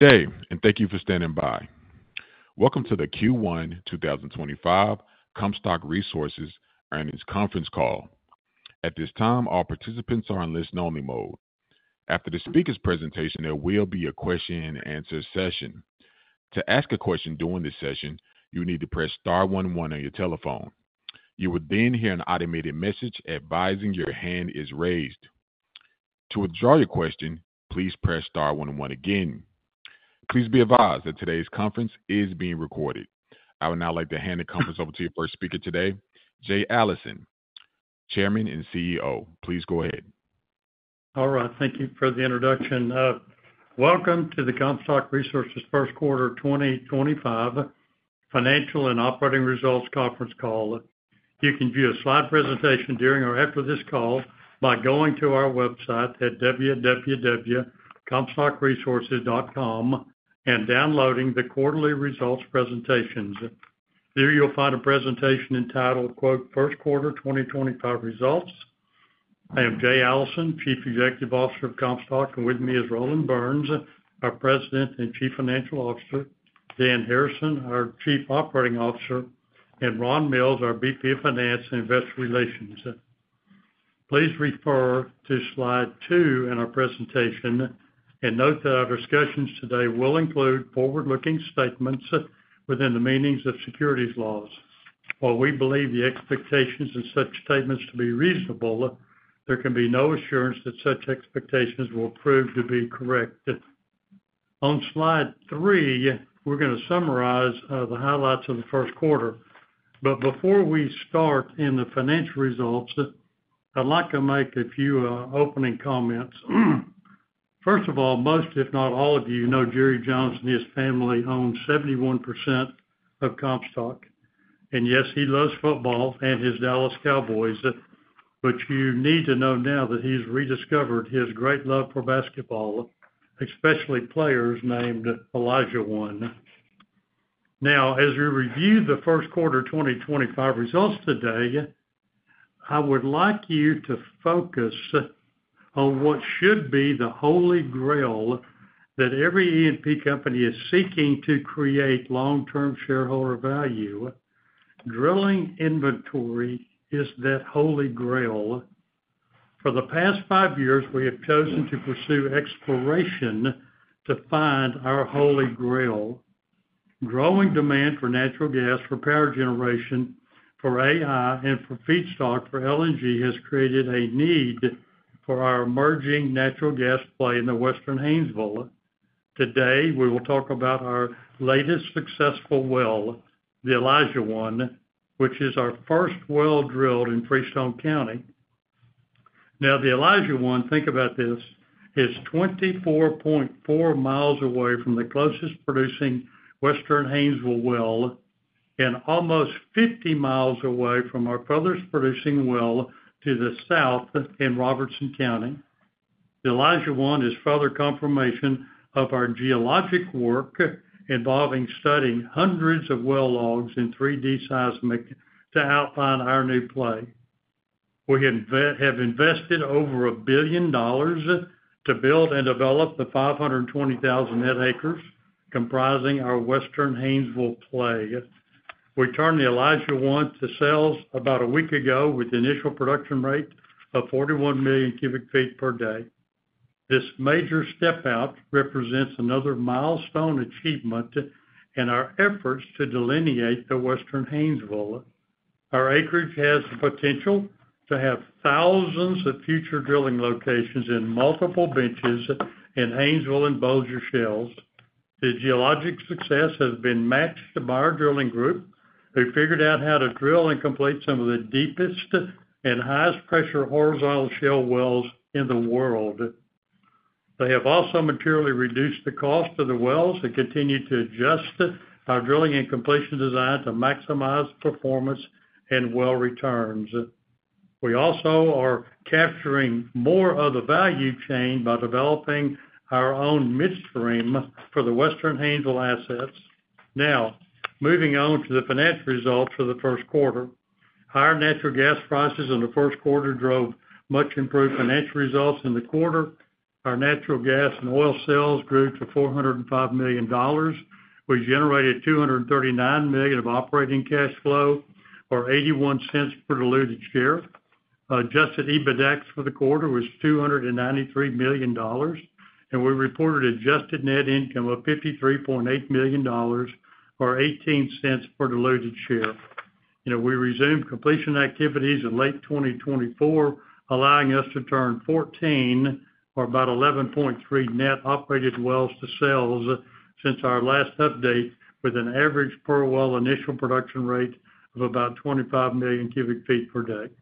Today, and thank you for standing by. Welcome to the Q1 2025 Comstock Resources earnings conference call. At this time, all participants are in listen-only mode. After the speaker's presentation, there will be a question-and-answer session. To ask a question during this session, you need to press star one one on your telephone. You will then hear an automated message advising your hand is raised. To withdraw your question, please press star one one again. Please be advised that today's conference is being recorded. I would now like to hand the conference over to your first speaker today, Jay Allison, Chairman and CEO. Please go ahead. All right. Thank you for the introduction. Welcome to the Comstock Resources first quarter 2025 financial and operating results conference call. You can view a slide presentation during or after this call by going to our website at www.comstockresources.com and downloading the quarterly results presentations. There you'll find a presentation entitled, "First Quarter 2025 Results." I am Jay Allison, Chief Executive Officer of Comstock, and with me is Roland Burns, our President and Chief Financial Officer, Dan Harrison, our Chief Operating Officer, and Ron Mills, our VP of Finance and Investor Relations. Please refer to slide two in our presentation and note that our discussions today will include forward-looking statements within the meanings of securities laws. While we believe the expectations in such statements to be reasonable, there can be no assurance that such expectations will prove to be correct. On slide three, we're going to summarize the highlights of the first quarter. Before we start in the financial results, I'd like to make a few opening comments. First of all, most, if not all of you, know Jerry Jones and his family own 71% of Comstock. Yes, he loves football and his Dallas Cowboys, but you need to know now that he's rediscovered his great love for basketball, especially players named Olajuwon. Now, as we review the first quarter 2025 results today, I would like you to focus on what should be the holy grail that every E&P company is seeking to create long-term shareholder value. Drilling inventory is that holy grail. For the past five years, we have chosen to pursue exploration to find our holy grail. Growing demand for natural gas, for power generation, for AI, and for feedstock for LNG has created a need for our emerging natural gas play in the Western Haynesville. Today, we will talk about our latest successful well, the Olajuwon, which is our first well drilled in Freestone County. Now, the Olajuwon, think about this, is 24.4 mi away from the closest producing Western Haynesville well and almost 50 mi away from our father's producing well to the south in Robertson County. The Olajuwon is further confirmation of our geologic work involving studying hundreds of well logs and 3D seismic to outline our new play. We have invested over $1 billion to build and develop the 520,000 net acres comprising our Western Haynesville play. We turned the Olajuwon to sales about a week ago with the initial production rate of 41 million cubic feet per day. This major step out represents another mitone achievement in our efforts to delineate the Western Haynesville. Our acreage has the potential to have thousands of future drilling locations in multiple benches in Haynesville and Bossier Shale. The geologic success has been matched by our drilling group, who figured out how to drill and complete some of the deepest and highest pressure horizontal shale wells in the world. They have also materially reduced the cost of the wells and continue to adjust our drilling and completion design to maximize performance and well returns. We also are capturing more of the value chain by developing our own midstream for the Western Haynesville assets. Now, moving on to the financial results for the first quarter, higher natural gas prices in the first quarter drove much improved financial results in the quarter. Our natural gas and oil sales grew to $405 million. We generated $239 million of operating cash flow, or $0.81 per diluted share. Adjusted EBITDAX for the quarter was $293 million, and we reported adjusted net income of $53.8 million, or $0.18 per diluted share. We resumed completion activities in late 2024, allowing us to turn 14, or about 11.3 net operated wells to sales since our last update, with an average per well initial production rate of about 25 million cubic feet per day.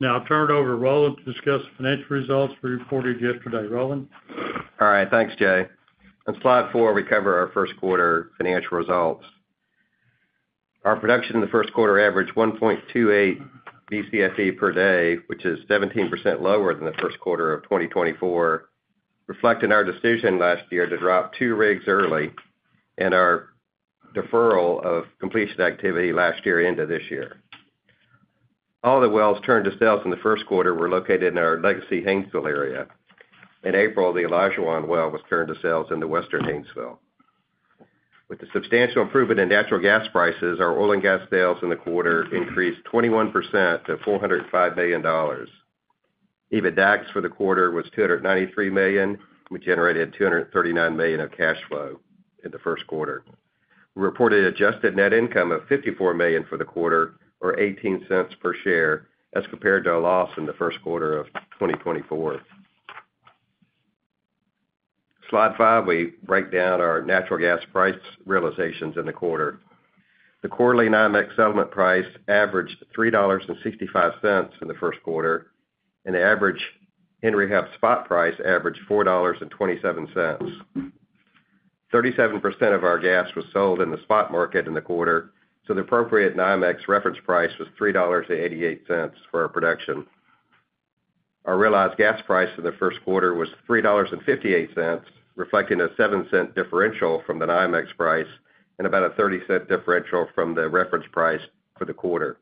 Now, I'll turn it over to Roland to discuss the financial results we reported yesterday. Roland. All right. Thanks, Jay. On slide four, we cover our first quarter financial results. Our production in the first quarter averaged 1.28 Bcfe per day, which is 17% lower than the first quarter of 2024, reflecting our decision last year to drop two rigs early and our deferral of completion activity last year into this year. All the wells turned to sales in the first quarter were located in our legacy Haynesville area. In April, the Olajuwon well was turned to sales in the Western Haynesville. With the substantial improvement in natural gas prices, our oil and gas sales in the quarter increased 21% to $405 million. EBITDAX for the quarter was $293 million. We generated $239 million of cash flow in the first quarter. We reported adjusted net income of $54 million for the quarter, or $0.18 per share, as compared to a loss in the first quarter of 2024. Slide five, we break down our natural gas price realizations in the quarter. The quarterly NYMEX settlement price averaged $3.65 in the first quarter, and the average Henry Hub spot price averaged $4.27. 37% of our gas was sold in the spot market in the quarter, so the appropriate NYMEX reference price was $3.88 for our production. Our realized gas price in the first quarter was $3.58, reflecting a $0.07 differential from the NYMEX price and about a $0.30 differential from the reference price for the quarter.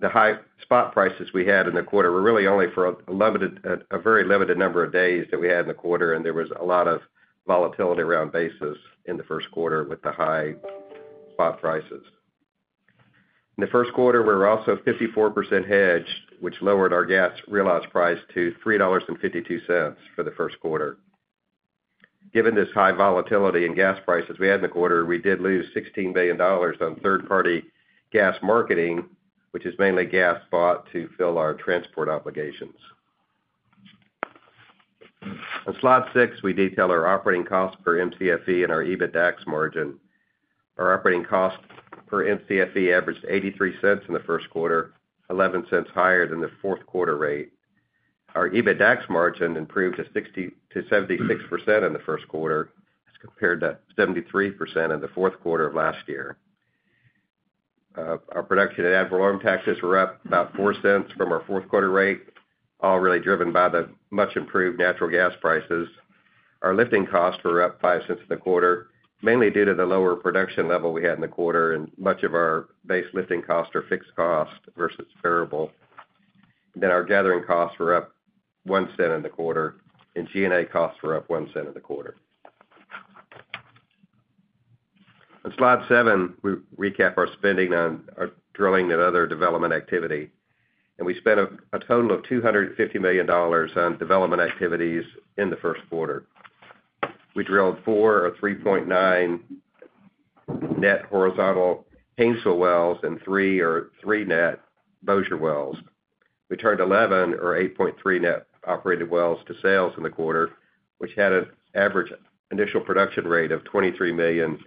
The high spot prices we had in the quarter were really only for a very limited number of days that we had in the quarter, and there was a lot of volatility around basis in the first quarter with the high spot prices. In the first quarter, we were also 54% hedged, which lowered our gas realized price to $3.52 for the first quarter. Given this high volatility in gas prices we had in the quarter, we did lose $16 million on third-party gas marketing, which is mainly gas bought to fill our transport obligations. On slide six, we detail our operating cost per Mcfe and our EBITDAX margin. Our operating cost per Mcfe averaged 83 cents in the first quarter, 11 cents higher than the fourth quarter rate. Our EBITDAX margin improved to 76% in the first quarter as compared to 73% in the fourth quarter of last year. Our production and advertisement taxes were up about $0.04 from our fourth quarter rate, all really driven by the much improved natural gas prices. Our lifting costs were up $0.05 in the quarter, mainly due to the lower production level we had in the quarter, and much of our base lifting costs are fixed cost versus variable. Our gathering costs were up 1 cent in the quarter, and G&A costs were up $0.01 in the quarter. On slide seven, we recap our spending on drilling and other development activity. We spent a total of $250 million on development activities in the first quarter. We drilled four or 3.9 net horizontal Haynesville wells and three or 3 net Bossier wells. We turned 11 or 8.3 net operated wells to sales in the quarter, which had an average initial production rate of 23 million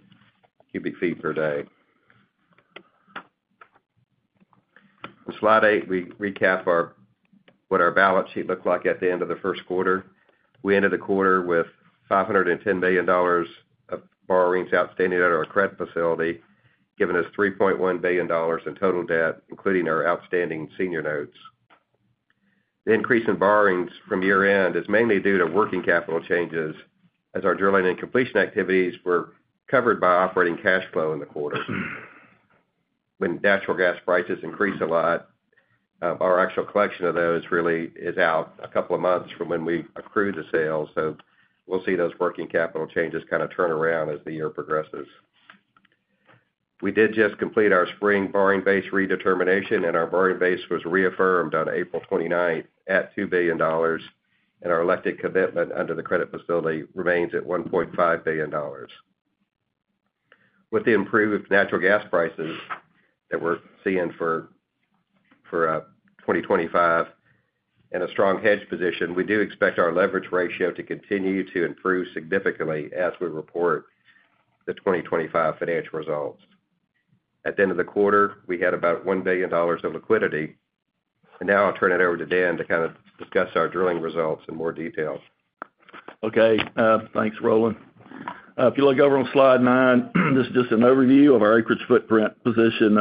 cubic feet per day. On slide eight, we recap what our balance sheet looked like at the end of the first quarter. We ended the quarter with $510 million of borrowings outstanding at our credit facility, giving us $3.1 billion in total debt, including our outstanding senior notes. The increase in borrowings from year-end is mainly due to working capital changes, as our drilling and completion activities were covered by operating cash flow in the quarter. When natural gas prices increase a lot, our actual collection of those really is out a couple of months from when we accrued the sales, so we'll see those working capital changes kind of turn around as the year progresses. We did just complete our spring borrowing base redetermination, and our borrowing base was reaffirmed on April 29th at $2 billion, and our elected commitment under the credit facility remains at $1.5 billion. With the improved natural gas prices that we're seeing for 2025 and a strong hedge position, we do expect our leverage ratio to continue to improve significantly as we report the 2025 financial results. At the end of the quarter, we had about $1 billion of liquidity. Now I'll turn it over to Dan to kind of discuss our drilling results in more detail. Okay. Thanks, Roland. If you look over on slide nine, this is just an overview of our acreage footprint position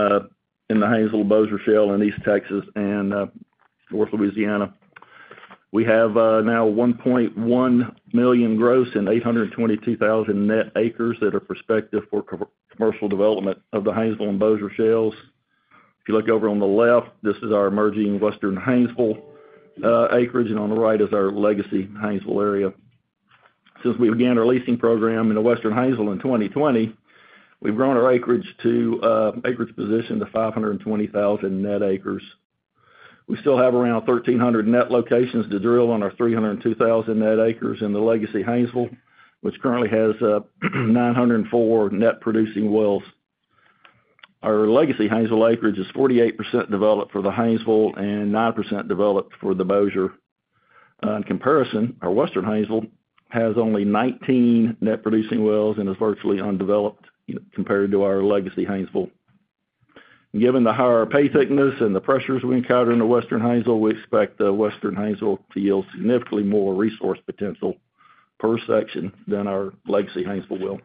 in the Haynesville, Bossier Shale in East Texas and North Louisiana. We have now 1.1 million gross and 822,000 net acres that are prospective for commercial development of the Haynesville and Bossier Shale. If you look over on the left, this is our emerging Western Haynesville acreage, and on the right is our legacy Haynesville area. Since we began our leasing program in the Western Haynesville in 2020, we've grown our acreage position to 520,000 net acres. We still have around 1,300 net locations to drill on our 302,000 net acres in the legacy Haynesville, which currently has 904 net producing wells. Our legacy Haynesville acreage is 48% developed for the Haynesville and 9% developed for the Bossier. In comparison, our Western Haynesville has only 19 net producing wells and is virtually undeveloped compared to our legacy Haynesville. Given the higher pay thickness and the pressures we encounter in the Western Haynesville, we expect the Western Haynesville to yield significantly more resource potential per section than our legacy Haynesville.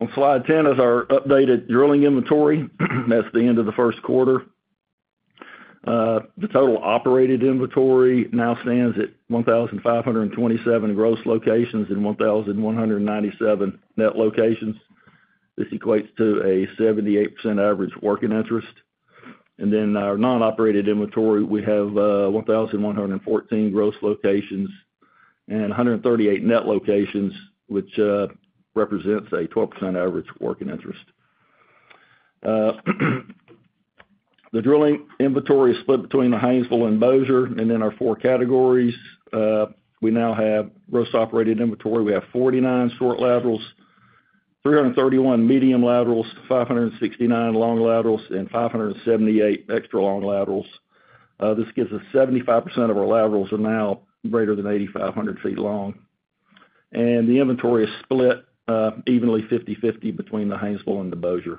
On slide 10 is our updated drilling inventory as of the end of the first quarter. The total operated inventory now stands at 1,527 gross locations and 1,197 net locations. This equates to a 78% average working interest. In our non-operated inventory, we have 1,114 gross locations and 138 net locations, which represents a 12% average working interest. The drilling inventory is split between the Haynesville and Bossier, and in our four categories, we now have gross operated inventory. We have 49 short laterals, 331 medium laterals, 569 long laterals, and 578 extra long laterals. This gives us 75% of our laterals are now greater than 8,500 feet long. The inventory is split evenly 50/50 between the Haynesville and the Bossier.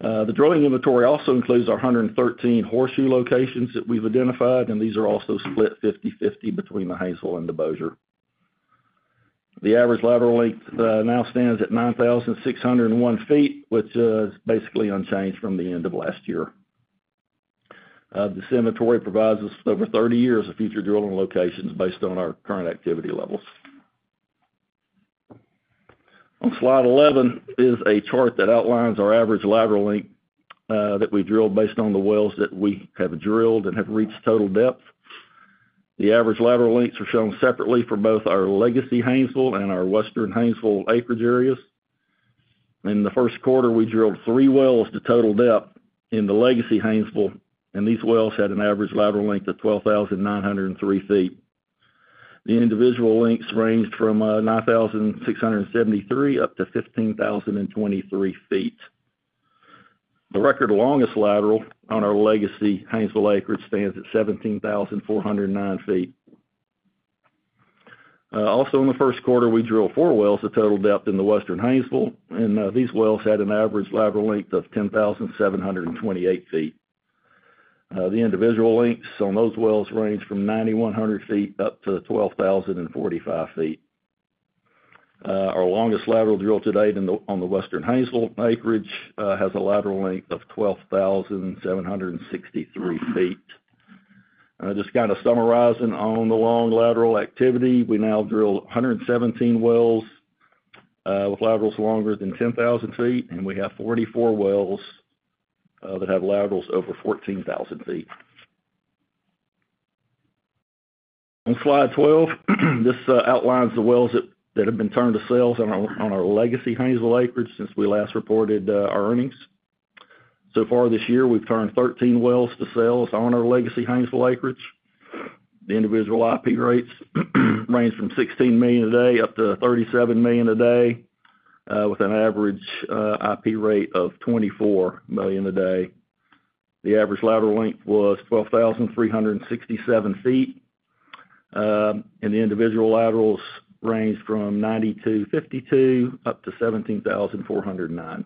The drilling inventory also includes our 113 horseshoe locations that we've identified, and these are also split 50/50 between the Haynesville and the Bossier. The average lateral length now stands at 9,601 feet, which is basically unchanged from the end of last year. This inventory provides us with over 30 years of future drilling locations based on our current activity levels. On slide 11 is a chart that outlines our average lateral length that we drilled based on the wells that we have drilled and have reached total depth. The average lateral lengths are shown separately for both our legacy Haynesville and our Western Haynesville acreage areas. In the first quarter, we drilled three wells to total depth in the legacy Haynesville, and these wells had an average lateral length of 12,903 feet. The individual lengths ranged from 9,673 up to 15,023 feet. The record longest lateral on our legacy Haynesville acreage stands at 17,409 feet. Also, in the first quarter, we drilled four wells to total depth in the Western Haynesville, and these wells had an average lateral length of 10,728 feet. The individual lengths on those wells range from 9,100 feet up to 12,045 feet. Our longest lateral drilled today on the Western Haynesville acreage has a lateral length of 12,763 feet. Just kind of summarizing on the long lateral activity, we now drilled 117 wells with laterals longer than 10,000 feet, and we have 44 wells that have laterals over 14,000 feet. On slide 12, this outlines the wells that have been turned to sales on our legacy Haynesville acreage since we last reported our earnings. So far this year, we've turned 13 wells to sales on our legacy Haynesville acreage. The individual IP rates range from 16 million a day up to 37 million a day, with an average IP rate of 24 million a day. The average lateral length was 12,367 feet, and the individual laterals ranged from 9,252 up to 17,409.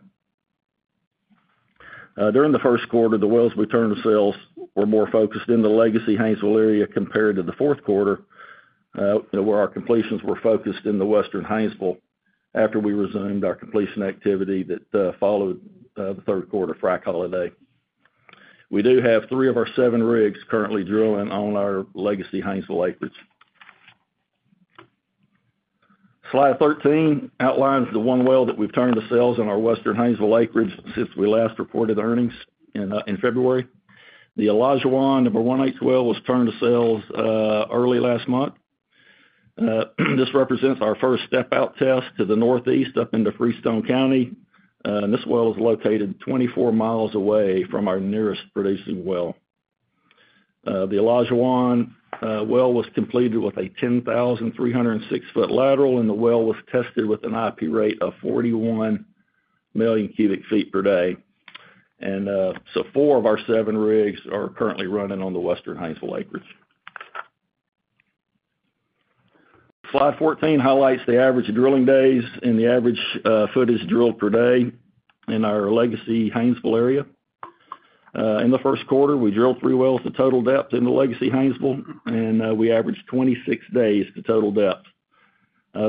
During the first quarter, the wells we turned to sales were more focused in the legacy Haynesville area compared to the fourth quarter, where our completions were focused in the Western Haynesville after we resumed our completion activity that followed the third quarter frac holiday. We do have three of our seven rigs currently drilling on our legacy Haynesville acreage. Slide 13 outlines the one well that we've turned to sales on our Western Haynesville acreage since we last reported the earnings in February. The Olajuwon number 180 well was turned to sales early last month. This represents our first step-out test to the northeast up into Freestone County. This well is located 24 mi away from our nearest producing well. The Olajuwon well was completed with a 10,306-foot lateral, and the well was tested with an IP rate of 41 million cubic feet per day. Four of our seven rigs are currently running on the Western Haynesville acreage. Slide 14 highlights the average drilling days and the average footage drilled per day in our legacy Haynesville area. In the first quarter, we drilled three wells to total depth in the legacy Haynesville, and we averaged 26 days to total depth.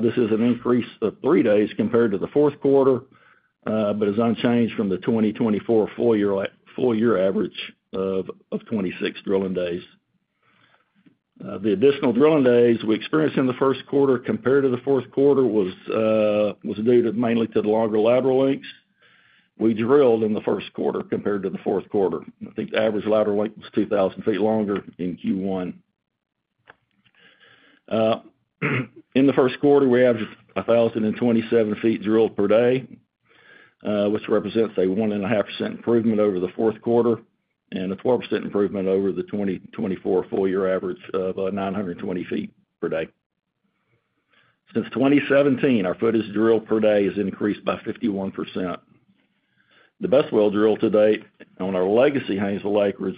This is an increase of three days compared to the fourth quarter, but is unchanged from the 2024 full year average of 26 drilling days. The additional drilling days we experienced in the first quarter compared to the fourth quarter was due mainly to the longer lateral lengths we drilled in the first quarter compared to the fourth quarter. I think the average lateral length was 2,000 feet longer in Q1. In the first quarter, we averaged 1,027 feet drilled per day, which represents a 1.5% improvement over the fourth quarter and a 12% improvement over the 2024 full year average of 920 feet per day. Since 2017, our footage drilled per day has increased by 51%. The best well drilled to date on our legacy Haynesville acreage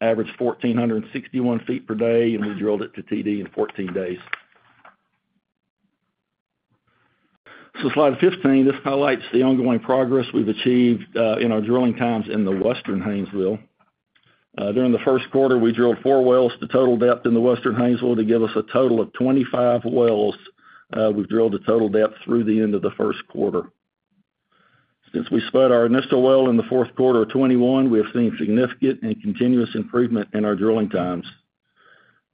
averaged 1,461 feet per day, and we drilled it to TD in 14 days. Slide 15 highlights the ongoing progress we've achieved in our drilling times in the Western Haynesville. During the first quarter, we drilled four wells to total depth in the Western Haynesville to give us a total of 25 wells we've drilled to total depth through the end of the first quarter. Since we split our initial well in the fourth quarter of 2021, we have seen significant and continuous improvement in our drilling times.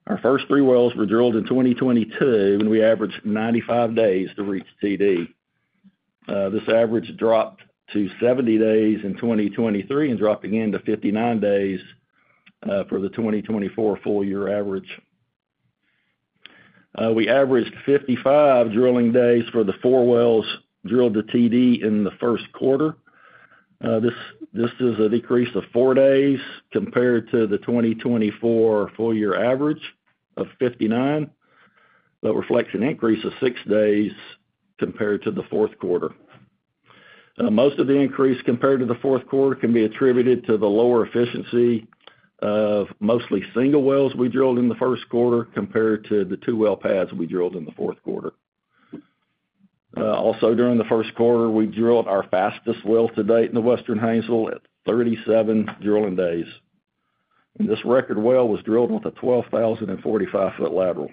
Our first three wells were drilled in 2022, and we averaged 95 days to reach TD. This average dropped to 70 days in 2023 and dropped again to 59 days for the 2024 full year average. We averaged 55 drilling days for the four wells drilled to TD in the first quarter. This is a decrease of four days compared to the 2024 full year average of 59, but reflects an increase of six days compared to the fourth quarter. Most of the increase compared to the fourth quarter can be attributed to the lower efficiency of mostly single wells we drilled in the first quarter compared to the two well pads we drilled in the fourth quarter. Also, during the first quarter, we drilled our fastest well to date in the Western Haynesville at 37 drilling days. This record well was drilled with a 12,045-foot lateral.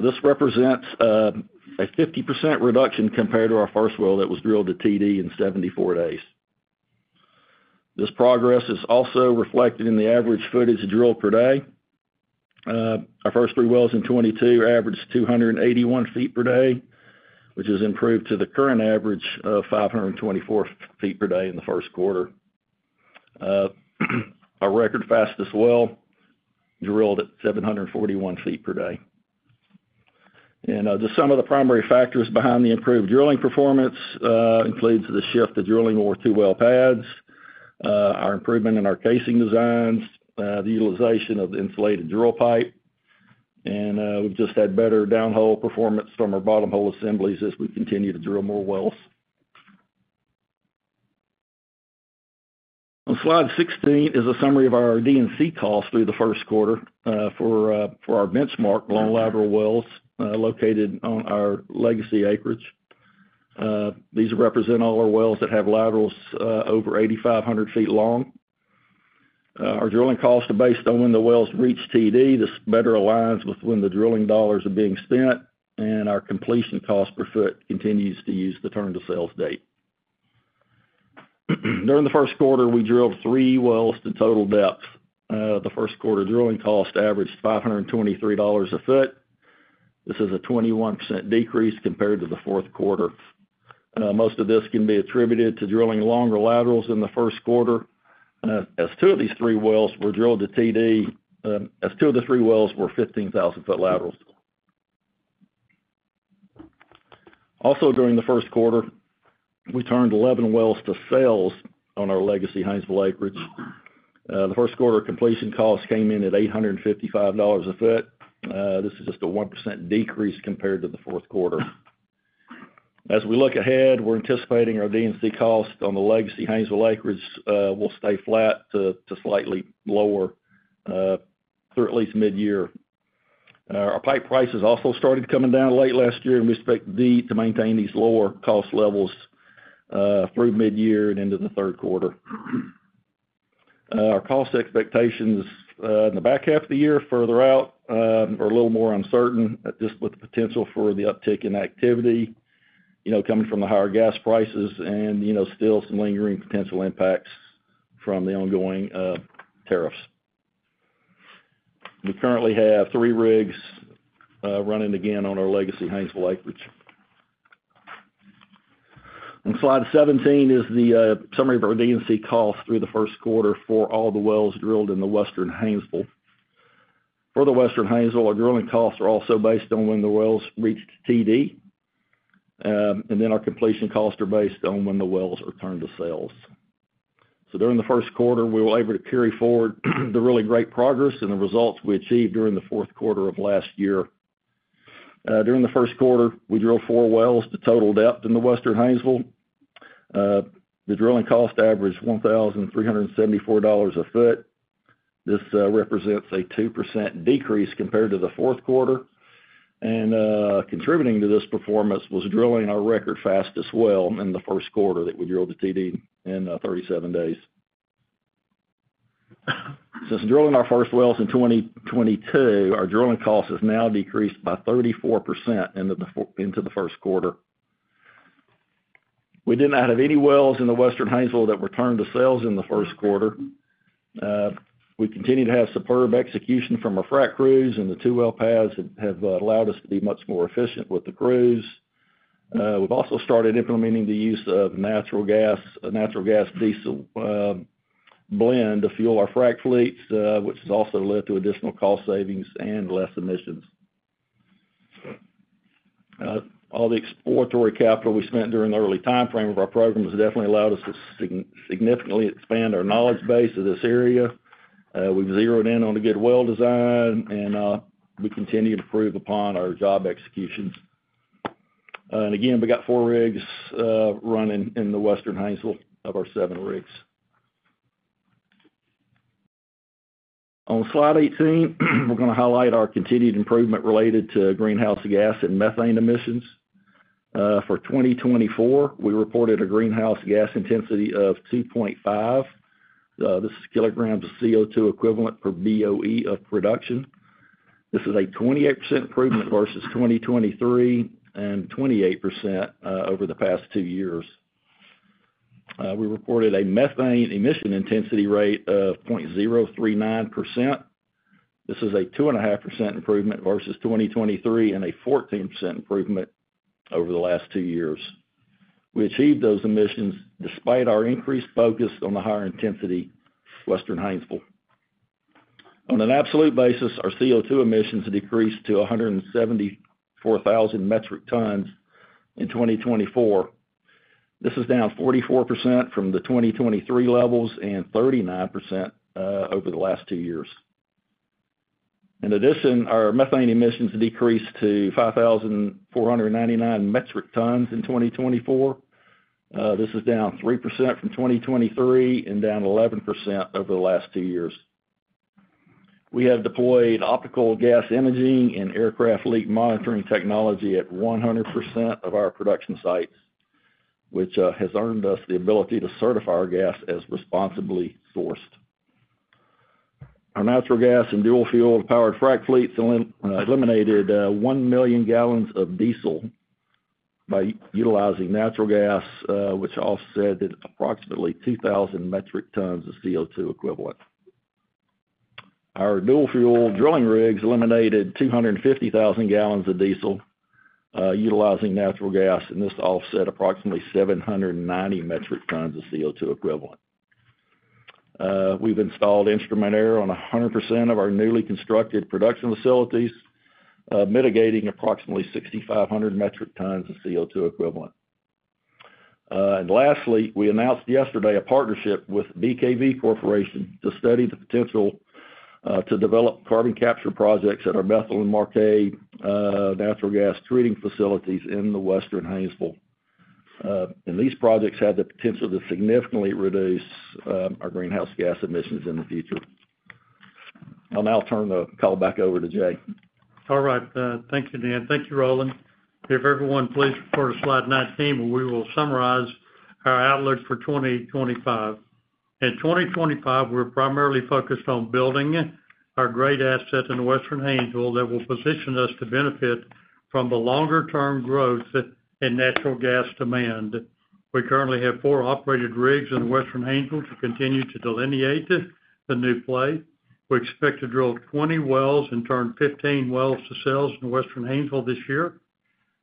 This represents a 50% reduction compared to our first well that was drilled to TD in 74 days. This progress is also reflected in the average footage drilled per day. Our first three wells in 2022 averaged 281 feet per day, which has improved to the current average of 524 feet per day in the first quarter. Our record fastest well drilled at 741 feet per day. Some of the primary factors behind the improved drilling performance include the shift to drilling more two well pads, our improvement in our casing designs, the utilization of the insulated drill pipe, and we've just had better down hole performance from our bottom hole assemblies as we continue to drill more wells. On slide 16 is a summary of our D&C costs through the first quarter for our benchmark long lateral wells located on our legacy acreage. These represent all our wells that have laterals over 8,500 feet long. Our drilling costs are based on when the wells reach TD. This better aligns with when the drilling dollars are being spent, and our completion cost per foot continues to use the turn to sales date. During the first quarter, we drilled three wells to total depth. The first quarter drilling cost averaged $523 a foot. This is a 21% decrease compared to the fourth quarter. Most of this can be attributed to drilling longer laterals in the first quarter, as two of these three wells were drilled to TD, as two of the three wells were 15,000-foot laterals. Also, during the first quarter, we turned 11 wells to sales on our legacy Haynesville acreage. The first quarter completion costs came in at $855 a foot. This is just a 1% decrease compared to the fourth quarter. As we look ahead, we're anticipating our D&C costs on the legacy Haynesville acreage will stay flat to slightly lower through at least mid-year. Our pipe prices also started coming down late last year, and we expect to maintain these lower cost levels through mid-year and into the third quarter. Our cost expectations in the back half of the year further out are a little more uncertain, just with the potential for the uptick in activity coming from the higher gas prices and still some lingering potential impacts from the ongoing tariffs. We currently have three rigs running again on our legacy Haynesville acreage. On slide 17 is the summary of our D&C costs through the first quarter for all the wells drilled in the Western Haynesville. For the Western Haynesville, our drilling costs are also based on when the wells reached TD, and then our completion costs are based on when the wells are turned to sales. During the first quarter, we were able to carry forward the really great progress and the results we achieved during the fourth quarter of last year. During the first quarter, we drilled four wells to total depth in the Western Haynesville. The drilling cost averaged $1,374 a foot. This represents a 2% decrease compared to the fourth quarter. Contributing to this performance was drilling our record fastest well in the first quarter that we drilled to TD in 37 days. Since drilling our first wells in 2022, our drilling costs have now decreased by 34% into the first quarter. We did not have any wells in the Western Haynesville that were turned to sales in the first quarter. We continue to have superb execution from our frac crews, and the two well pads have allowed us to be much more efficient with the crews. We've also started implementing the use of natural gas diesel blend to fuel our frac fleets, which has also led to additional cost savings and less emissions. All the exploratory capital we spent during the early timeframe of our program has definitely allowed us to significantly expand our knowledge base of this area. We've zeroed in on a good well design, and we continue to improve upon our job execution. Again, we got four rigs running in the Western Haynesville of our seven rigs. On slide 18, we're going to highlight our continued improvement related to greenhouse gas and methane emissions. For 2024, we reported a greenhouse gas intensity of 2.5. This is kilograms of CO₂ equivalent per BOE of production. This is a 28% improvement versus 2023 and 28% over the past two years. We reported a methane emission intensity rate of 0.039%. This is a 2.5% improvement versus 2023 and a 14% improvement over the last two years. We achieved those emissions despite our increased focus on the higher intensity Western Haynesville. On an absolute basis, our CO₂emissions decreased to 174,000 metric tons in 2024. This is down 44% from the 2023 levels and 39% over the last two years. In addition, our methane emissions decreased to 5,499 metric tons in 2024. This is down 3% from 2023 and down 11% over the last two years. We have deployed optical gas imaging and aircraft leak monitoring technology at 100% of our production sites, which has earned us the ability to certify our gas as responsibly sourced. Our natural gas and dual fuel powered frac fleets eliminated 1 million gallons of diesel by utilizing natural gas, which offset approximately 2,000 metric tons of CO₂ equivalent. Our dual fuel drilling rigs eliminated 250,000 gallons of diesel utilizing natural gas, and this offset approximately 790 metric tons of CO₂ equivalent. We've installed instrument air on 100% of our newly constructed production facilities, mitigating approximately 6,500 metric tons of CO₂ equivalent. Lastly, we announced yesterday a partnership with BKV Corporation to study the potential to develop carbon capture projects at our Bethel and Marquay natural gas treating facilities in the Western Haynesville. These projects have the potential to significantly reduce our greenhouse gas emissions in the future. I'll now turn the call back over to Jay. All right. Thank you, Dan. Thank you, Roland. If everyone please report to slide 19, we will summarize our outlook for 2025. In 2025, we're primarily focused on building our great asset in the Western Haynesville that will position us to benefit from the longer-term growth in natural gas demand. We currently have four operated rigs in the Western Haynesville to continue to delineate the new play. We expect to drill 20 wells and turn 15 wells to sales in the Western Haynesville this year.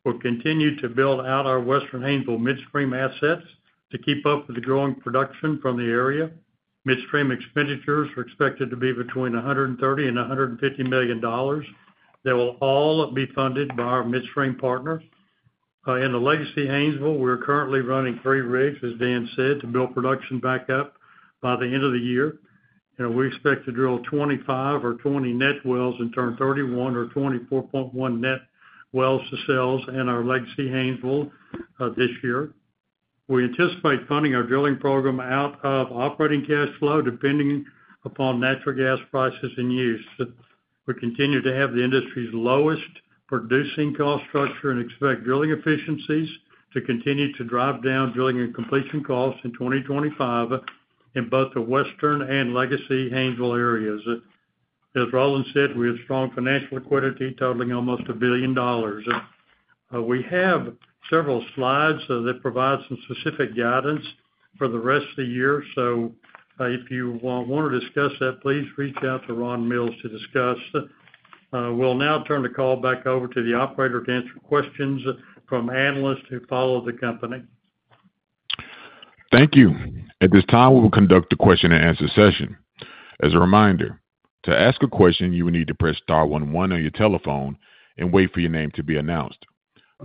We'll continue to build out our Western Haynesville midstream assets to keep up with the growing production from the area. Midstream expenditures are expected to be between $130 million and $150 million. They will all be funded by our midstream partners. In the legacy Haynesville, we're currently running three rigs, as Dan said, to build production back up by the end of the year. We expect to drill 25 or 20 net wells and turn 31 or 24.1 net wells to sales in our legacy Haynesville this year. We anticipate funding our drilling program out of operating cash flow depending upon natural gas prices and use. We continue to have the industry's lowest producing cost structure and expect drilling efficiencies to continue to drive down drilling and completion costs in 2025 in both the Western and legacy Haynesville areas. As Roland said, we have strong financial liquidity totaling almost $1 billion. We have several slides that provide some specific guidance for the rest of the year. If you want to discuss that, please reach out to Ron Mills to discuss. We'll now turn the call back over to the operator to answer questions from analysts who follow the company. Thank you. At this time, we will conduct the question and answer session. As a reminder, to ask a question, you will need to press star one one on your telephone and wait for your name to be announced.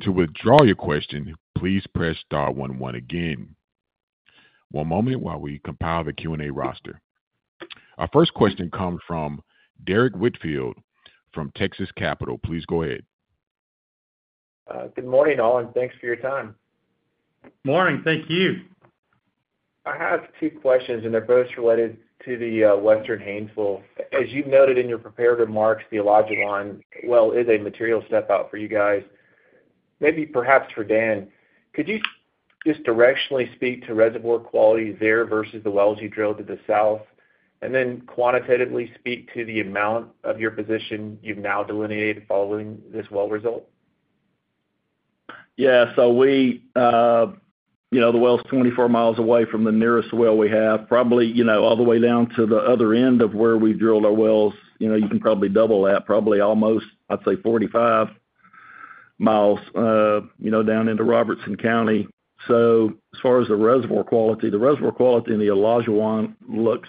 To withdraw your question, please press star one one again. One moment while we compile the Q&A roster. Our first question comes from Derrick Whitfield from Texas Capital. Please go ahead. Good morning, thanks for your time. Morning. Thank you. I have two questions, and they're both related to the Western Haynesville. As you've noted in your prepared remarks, the Olajuwon well is a material step out for you guys, maybe perhaps for Dan. Could you just directionally speak to reservoir quality there versus the wells you drilled to the south, and then quantitatively speak to the amount of your position you've now delineated following this well result? Yeah. So the well's 24 mi away from the nearest well we have. Probably all the way down to the other end of where we've drilled our wells, you can probably double that, probably almost, I'd say, 45 mi down into Robertson County. As far as the reservoir quality, the reservoir quality in the Olajuwon looks,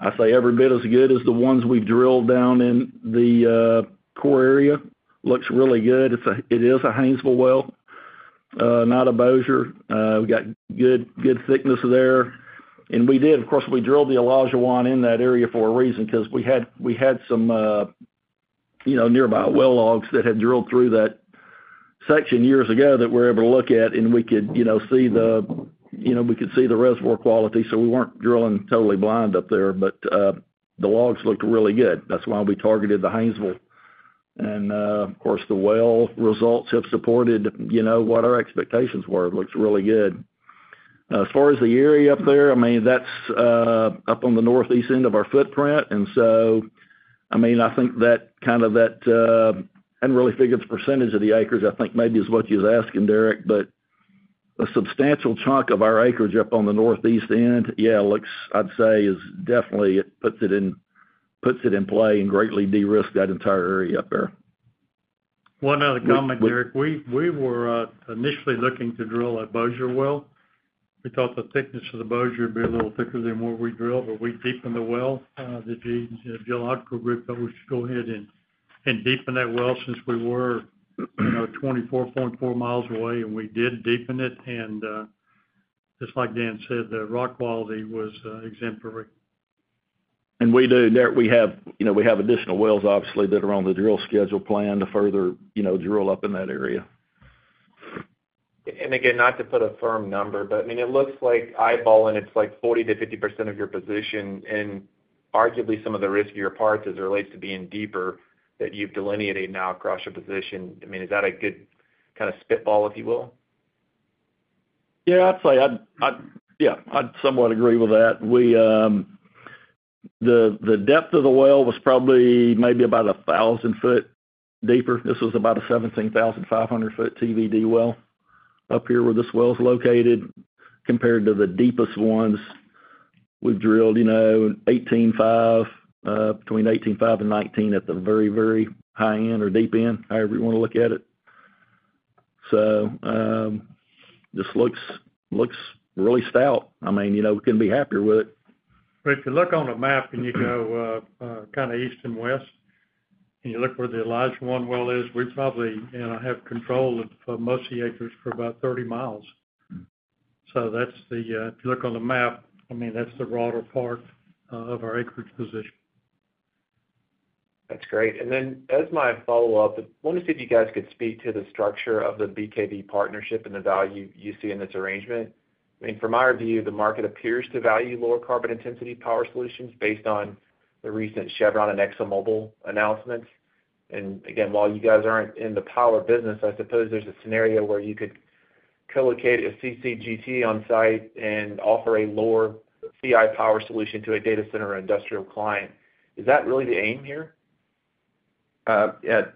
I'd say, every bit as good as the ones we've drilled down in the core area. Looks really good. It is a Haynesville, not a Bossier. We got good thickness there. We did, of course, drill the Olajuwon in that area for a reason because we had some nearby well logs that had drilled through that section years ago that we were able to look at, and we could see the reservoir quality. We were not drilling totally blind up there, but the logs looked really good. That's why we targeted the Haynesville. Of course, the well results have supported what our expectations were. Looks really good. As far as the area up there, I mean, that's up on the northeast end of our footprint. I mean, I think that kind of that I did not really figure the percentage of the acres, I think maybe is what you are asking, Derek, but a substantial chunk of our acreage up on the northeast end, yeah, looks, I would say, is definitely it puts it in play and greatly de-risked that entire area up there. One other comment, Derek. We were initially looking to drill a Bossier well. We thought the thickness of the Bossier would be a little thicker than what we drilled, but we deepened the well. The geological group thought we should go ahead and deepen that well since we were 24.4 mi away, and we did deepen it. Just like Dan said, the rock quality was exemplary. We do, Derek. We have additional wells, obviously, that are on the drill schedule plan to further drill up in that area. Again, not to put a firm number, but I mean, it looks like eyeballing it's like 40%, 50% of your position and arguably some of the riskier parts as it relates to being deeper that you've delineated now across your position. I mean, is that a good kind of spitball, if you will? Yeah. I'd say, yeah, I'd somewhat agree with that. The depth of the well was probably maybe about 1,000 foot deeper. This was about a 17,500-foot TVD well up here where this well is located compared to the deepest ones we've drilled, between 18.5 and 19 at the very, very high end or deep end, however you want to look at it. This looks really stout. I mean, we couldn't be happier with it. If you look on a map and you go kind of east and west and you look where the Olajuwon well is, we probably have control of most of the acres for about 30 mi. If you look on the map, I mean, that's the broader part of our acreage position. That's great. As my follow-up, I want to see if you guys could speak to the structure of the BKV partnership and the value you see in this arrangement. I mean, from our view, the market appears to value lower carbon intensity power solutions based on the recent Chevron and ExxonMobil announcements. Again, while you guys aren't in the power business, I suppose there's a scenario where you could co-locate a `CCGT on site and offer a lower CI power solution to a data center or industrial client. Is that really the aim here? Yeah.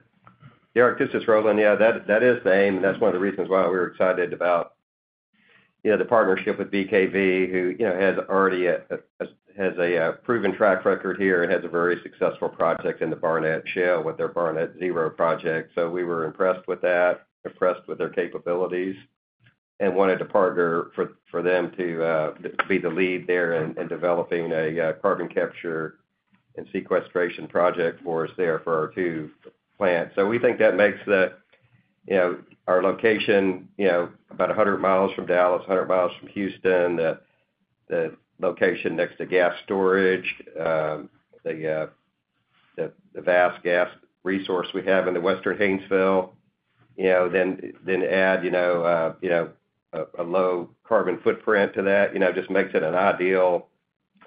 Derek, this is Roland. Yeah, that is the aim, and that's one of the reasons why we were excited about the partnership with BKV, who has already a proven track record here and has a very successful project in the Barnett Shale with their Barnett Zero project. We were impressed with that, impressed with their capabilities, and wanted to partner for them to be the lead there in developing a carbon capture and sequestration project for us there for our two plants. We think that makes our location about 100 mi from Dallas, 100 mi from Houston, the location next to gas storage, the vast gas resource we have in the Western Haynesville, then add a low carbon footprint to that. It just makes it an ideal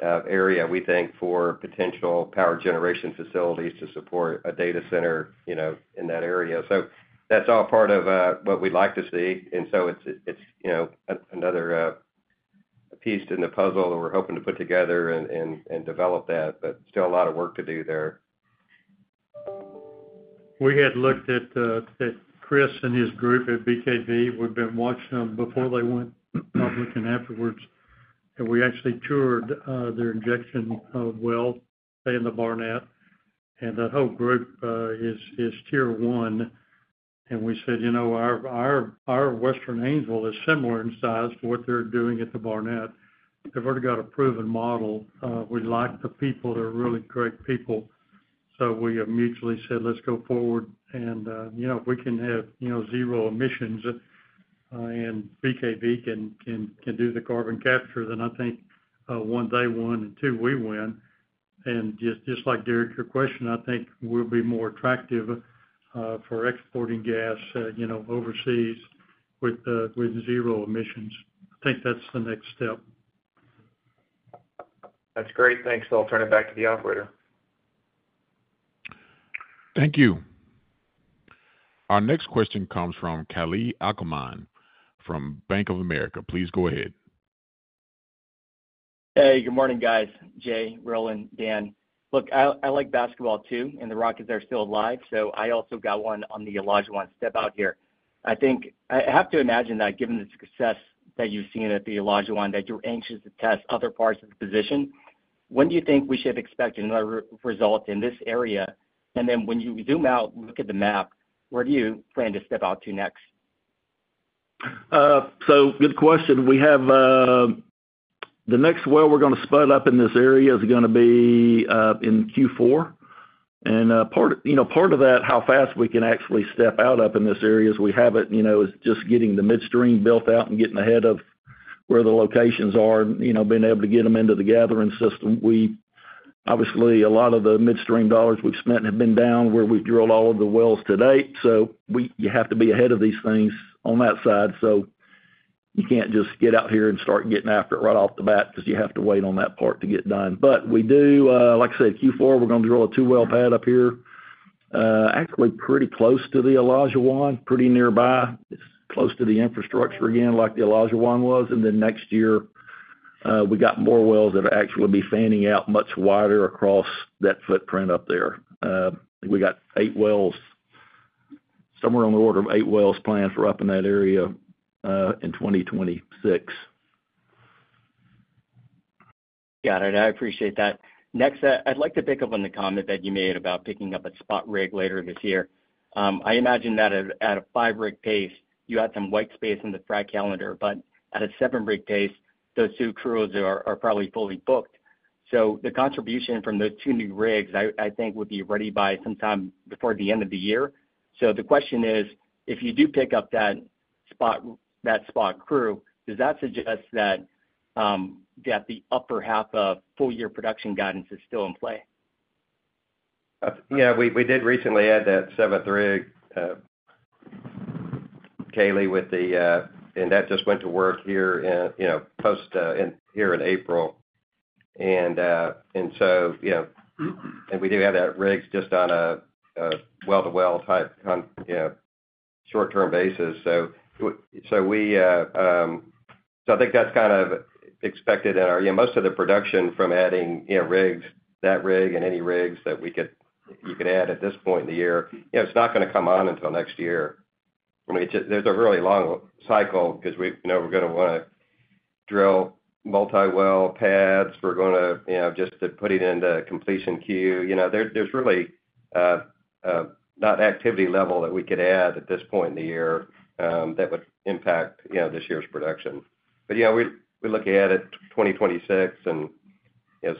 area, we think, for potential power generation facilities to support a data center in that area. That is all part of what we'd like to see. It is another piece in the puzzle that we're hoping to put together and develop that, but still a lot of work to do there. We had looked at Chris and his group at BKV. We'd been watching them before they went public and afterwards. We actually toured their injection well in the Barnett. That whole group is tier one. We said, "Our Western Haynesville is similar in size to what they're doing at the Barnett. They've already got a proven model. We like the people. They're really great people." We mutually said, "Let's go forward." If we can have zero emissions and BKV can do the carbon capture, then I think one they won and two we won. Just like Derek, your question, I think we'll be more attractive for exporting gas overseas with zero emissions. I think that's the next step. That's great. Thanks. I'll turn it back to the operator. Thank you. Our next question comes from Kalei Akamai from Bank of America. Please go ahead. Hey, good morning, guys. Jay, Roland, Dan. Look, I like basketball too, and the Rockets are still alive. I also got one on the Olajuwon step out here. I have to imagine that given the success that you've seen at the Olajuwon, that you're anxious to test other parts of the position. When do you think we should expect another result in this area? When you zoom out, look at the map, where do you plan to step out to next? Good question. The next well we're going to spot up in this area is going to be in Q4. Part of that, how fast we can actually step out up in this area as we have it, is just getting the midstream built out and getting ahead of where the locations are and being able to get them into the gathering system. Obviously, a lot of the midstream dollars we've spent have been down where we've drilled all of the wells to date. You have to be ahead of these things on that side. You cannot just get out here and start getting after it right off the bat because you have to wait on that part to get done. Like I said, Q4, we are going to drill a two well pad up here, actually pretty close to the Olajuwon, pretty nearby. It is close to the infrastructure again, like the Olajuwon was. Next year, we have more wells that will actually be fanning out much wider across that footprint up there. We have eight wells, somewhere on the order of eight wells planned for up in that area in 2026. Got it. I appreciate that. Next, I would like to pick up on the comment that you made about picking up a spot rig later this year. I imagine that at a five rig pace, you had some white space in the frac calendar, but at a seven rig pace, those two crews are probably fully booked. The contribution from those two new rigs, I think, would be ready by sometime before the end of the year. The question is, if you do pick up that spot crew, does that suggest that the upper half of full year production guidance is still in play? Yeah. We did recently add that seventh rig, Kalei, and that just went to work here in April. We do have that rig just on a well-to-well type short-term basis. I think that's kind of expected in our most of the production from adding rigs, that rig and any rigs that you could add at this point in the year. It's not going to come on until next year. I mean, there's a really long cycle because we're going to want to drill multi-well pads. We're going to just put it into completion queue. There's really not activity level that we could add at this point in the year that would impact this year's production. We look ahead at 2026 and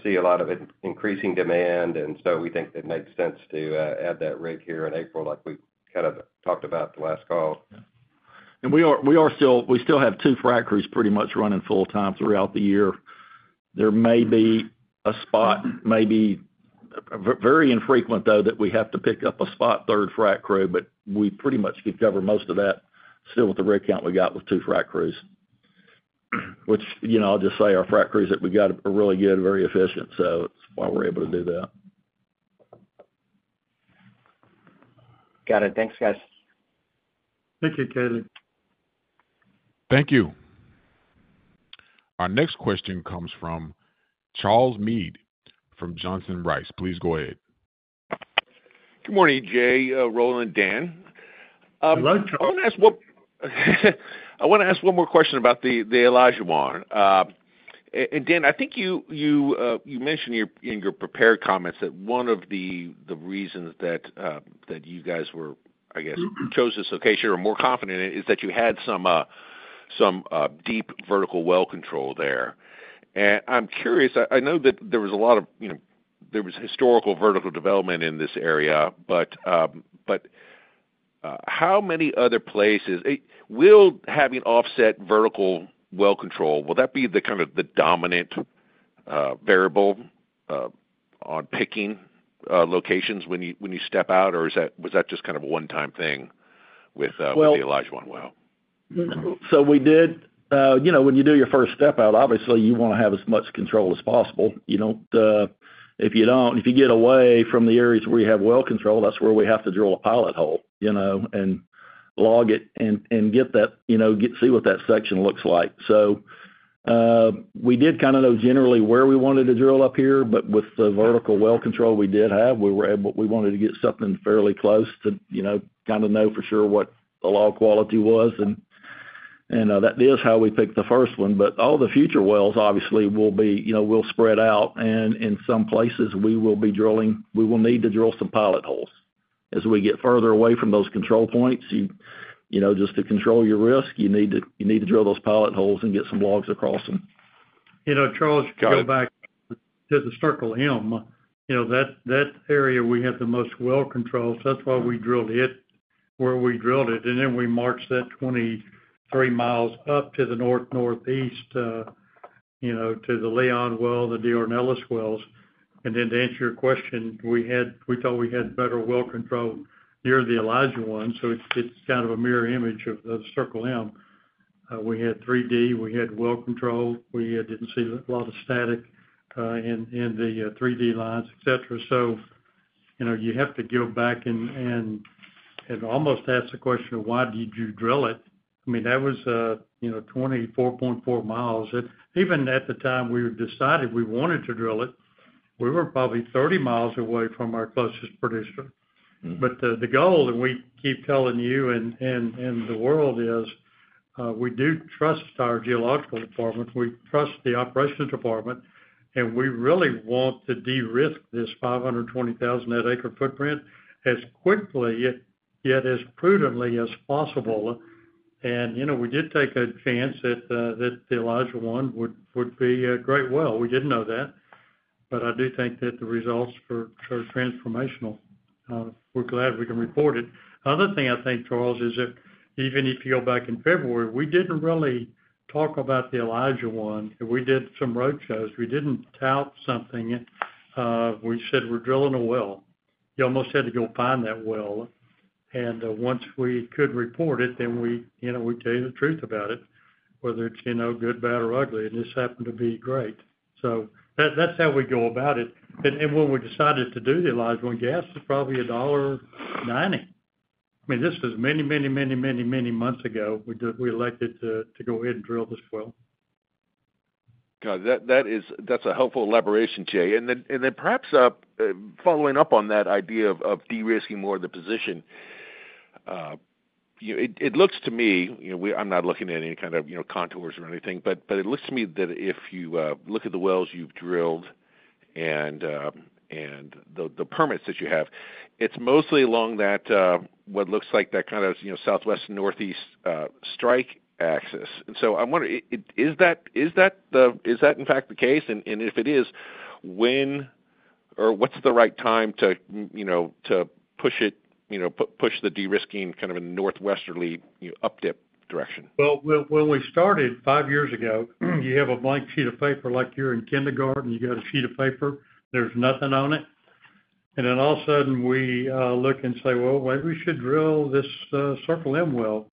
see a lot of increasing demand. We think it makes sense to add that rig here in April, like we kind of talked about the last call. We still have two frac crews pretty much running full-time throughout the year. There may be a spot, maybe very infrequent though, that we have to pick up a spot third frac crew, but we pretty much could cover most of that still with the rig count we got with two frac crews, which I'll just say our frac crews that we got are really good, very efficient. It is why we're able to do that. Got it. Thanks, guys. Thank you, Kalei. Thank you. Our next question comes from Charles Meade from Johnson Rice. Please go ahead. Good morning, Jay, Roland, Dan. Hello, Charles. I want to ask one more question about the Olajuwon. And Dan, I think you mentioned in your prepared comments that one of the reasons that you guys were, I guess, chose this location or more confident in it is that you had some deep vertical well control there. I'm curious, I know that there was a lot of historical vertical development in this area, but how many other places will having offset vertical well control, will that be kind of the dominant variable on picking locations when you step out, or was that just kind of a one-time thing with the Olajuwon well? We did, when you do your first step out, obviously, you want to have as much control as possible. If you don't, if you get away from the areas where you have well control, that's where we have to drill a pilot hole and log it and get that, see what that section looks like. We did kind of know generally where we wanted to drill up here, but with the vertical well control we did have, we wanted to get something fairly close to kind of know for sure what the log quality was. That is how we picked the first one. All the future wells, obviously, will spread out. In some places, we will be drilling, we will need to drill some pilot holes as we get further away from those control points. Just to control your risk, you need to drill those pilot holes and get some logs across them. You know, Charles, go back to the Circle M. That area we had the most well control, so that's why we drilled it where we drilled it. We marched that 23 mi up to the north-northeast to the Leon well, the Deornellis wells. To answer your question, we thought we had better well control near the Olajuwon. It is kind of a mirror image of the Circle M. We had 3D. We had well control. We did not see a lot of static in the 3D lines, etc. You have to go back and almost ask the question, "Why did you drill it?" I mean, that was 24.4 mi. Even at the time we decided we wanted to drill it, we were probably 30 mi away from our closest producer. The goal that we keep telling you and the world is we do trust our geological department. We trust the operations department. We really want to de-risk this 520,000 net acre footprint as quickly yet as prudently as possible. We did take a chance that the Olajuwon would be a great well. We did not know that. I do think that the results are transformational. We're glad we can report it. Another thing I think, Charles, is that even if you go back in February, we didn't really talk about the Olajuwon. We did some road shows. We didn't tout something. We said, "We're drilling a well." You almost had to go find that well. Once we could report it, we tell you the truth about it, whether it's good, bad, or ugly. This happened to be great. That's how we go about it. When we decided to do the Olajuwon, gas was probably $1.90. I mean, this was many, many, many, many, many months ago. We elected to go ahead and drill this well. God, that's a helpful elaboration, Jay. Perhaps following up on that idea of de-risking more of the position, it looks to me I'm not looking at any kind of contours or anything, but it looks to me that if you look at the wells you've drilled and the permits that you have, it's mostly along what looks like that kind of southwest and northeast strike axis. I'm wondering, is that in fact the case? If it is, when or what's the right time to push the de-risking kind of in the northwesterly updip direction? When we started five years ago, you have a blank sheet of paper like you're in kindergarten. You got a sheet of paper. There's nothing on it. All of a sudden, we look and say, "Well, maybe we should drill this Circle M well."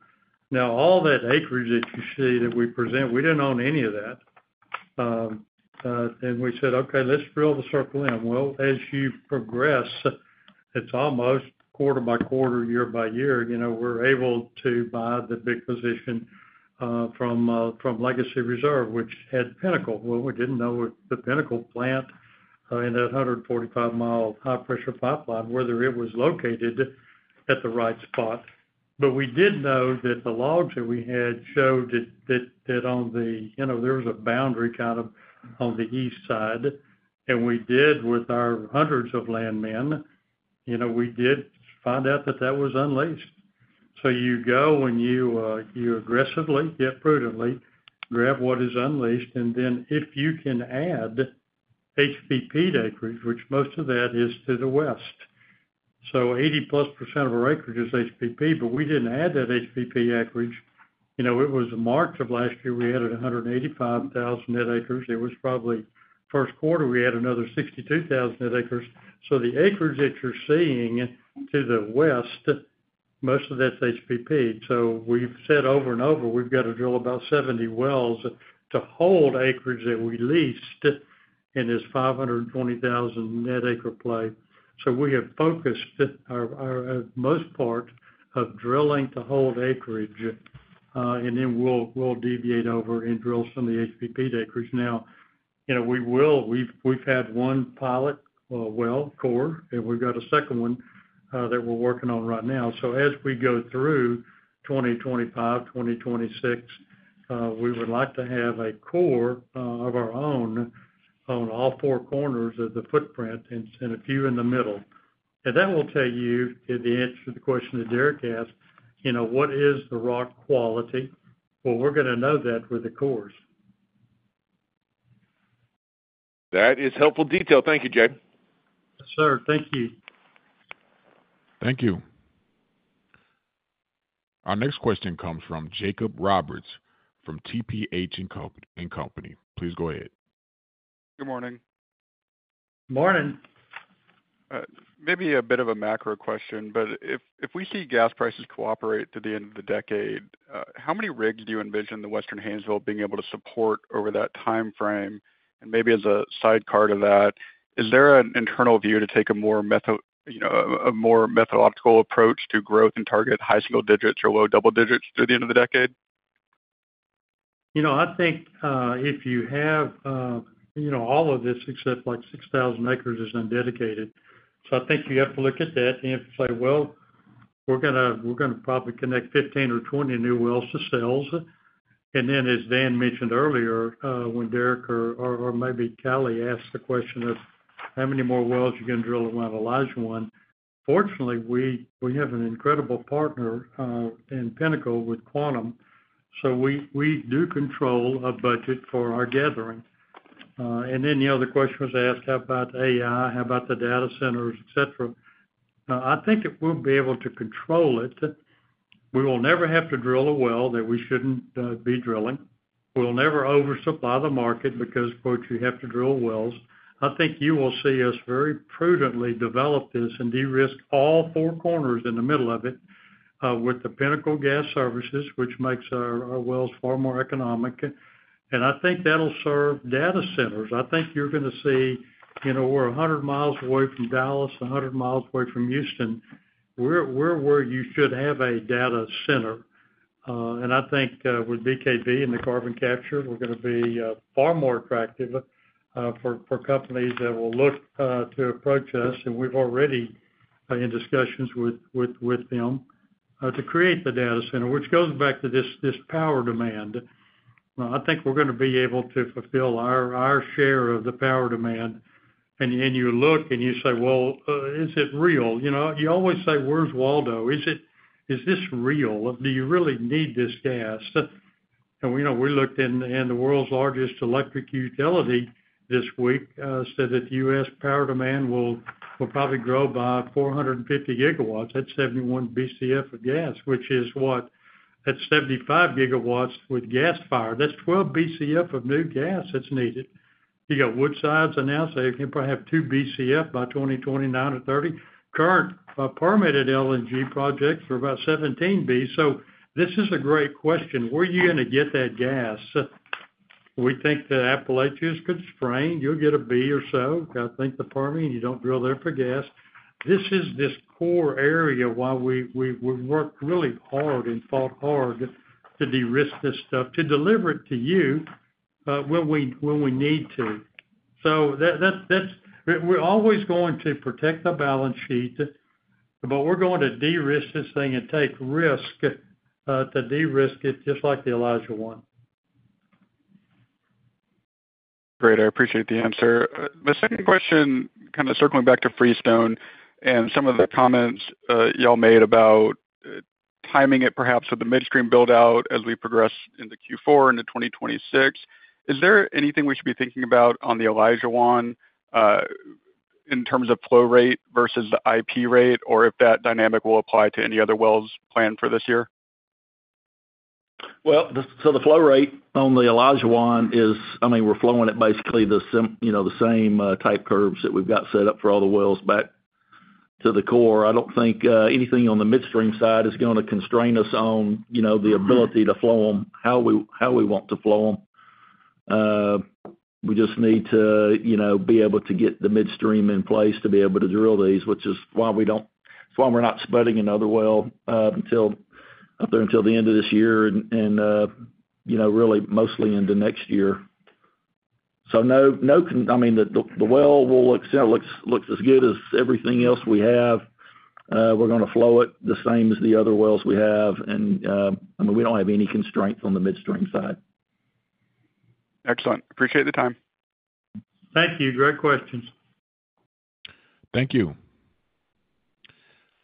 Now, all that acreage that you see that we present, we didn't own any of that. We said, "Okay, let's drill the Circle M." As you progress, it's almost quarter by quarter, year by year. We're able to buy the big position from Legacy Reserve, which had Pinnacle. We didn't know the Pinnacle plant in that 145 mi high-pressure pipeline, whether it was located at the right spot. We did know that the logs that we had showed that there was a boundary kind of on the east side. We did, with our hundreds of landmen, find out that that was unleashed. You go and you aggressively, yet prudently, grab what is unleashed. If you can add HBP acreage, which most of that is to the west. 80+% of our acreage is HBP, but we did not add that HBP acreage. It was March of last year. We added 185,000 net acres. It was probably first quarter, we added another 62,000 net acres. The acreage that you are seeing to the west, most of that is HBP. We have said over and over, we have to drill about 70 wells to hold acreage that we leased in this 520,000 net acre play. We have focused our most part of drilling to hold acreage. We will deviate over and drill some of the HBP acreage. We have had one pilot well, core, and we have a second one that we are working on right now. As we go through 2025, 2026, we would like to have a core of our own on all four corners of the footprint and a few in the middle. That will tell you the answer to the question that Derrick asked, "What is the rock quality?" We're going to know that with the cores. That is helpful detail. Thank you, Jay. Yes, sir. Thank you. Thank you. Our next question comes from Jacob Roberts from TPH & Company. Please go ahead. Good morning. Morning. Maybe a bit of a macro question, but if we see gas prices cooperate to the end of the decade, how many rigs do you envision the Western Haynesville being able to support over that timeframe? Maybe as a side card of that, is there an internal view to take a more methodological approach to growth and target high single digits or low double digits through the end of the decade? I think if you have all of this except like 6,000 acres is undedicated. I think you have to look at that and say, "We're going to probably connect 15 or 20 new wells to sales." As Dan mentioned earlier, when Derek or maybe Kaley asked the question of how many more wells you're going to drill around Olajuwon, fortunately, we have an incredible partner in Pinnacle with Quantum. We do control a budget for our gathering. The other question was asked, "How about AI? How about the data centers, etc.?" I think that we'll be able to control it. We will never have to drill a well that we shouldn't be drilling. We'll never oversupply the market because, quote, "You have to drill wells." I think you will see us very prudently develop this and de-risk all four corners in the middle of it with Pinnacle Gas Services, which makes our wells far more economic. I think that'll serve data centers. I think you're going to see we're 100 mi away from Dallas, 100 mi away from Houston. We're where you should have a data center. I think with BKV and the carbon capture, we're going to be far more attractive for companies that will look to approach us. We've already been in discussions with them to create the data center, which goes back to this power demand. I think we're going to be able to fulfill our share of the power demand. You look and you say, "Is it real?" You always say, "Where's Waldo? Is this real? Do you really need this gas?" We looked, and the world's largest electric utility this week said that U.S. power demand will probably grow by 450 gigawatts. That's 71 Bcf of gas, which is what? That's 75 gigawatts with gas fired. That's 12 Bcf of new gas that's needed. You got Woodside's announced they can probably have 2 Bcf by 2029 or 2030. Current permitted LNG projects are about 17 B. This is a great question. Where are you going to get that gas? We think the Appalachia is good to sprain. You'll get a B or so. I think the Permian, you don't drill there for gas. This is this core area why we've worked really hard and fought hard to de-risk this stuff, to deliver it to you when we need to. We are always going to protect the balance sheet, but we are going to de-risk this thing and take risk to de-risk it just like the Olajuwon. Great. I appreciate the answer. My second question, kind of circling back to Freestone and some of the comments y'all made about timing it perhaps with the midstream buildout as we progress in the Q4 into 2026. Is there anything we should be thinking about on the Olajuwon in terms of flow rate versus the IP rate or if that dynamic will apply to any other wells planned for this year? The flow rate on the Olajuwon is, I mean, we're flowing at basically the same type curves that we've got set up for all the wells back to the core. I don't think anything on the midstream side is going to constrain us on the ability to flow them, how we want to flow them. We just need to be able to get the midstream in place to be able to drill these, which is why we're not spreading another well up there until the end of this year and really mostly into next year. No, I mean, the well looks as good as everything else we have. We're going to flow it the same as the other wells we have. I mean, we don't have any constraints on the midstream side. Excellent. Appreciate the time. Thank you. Great questions. Thank you.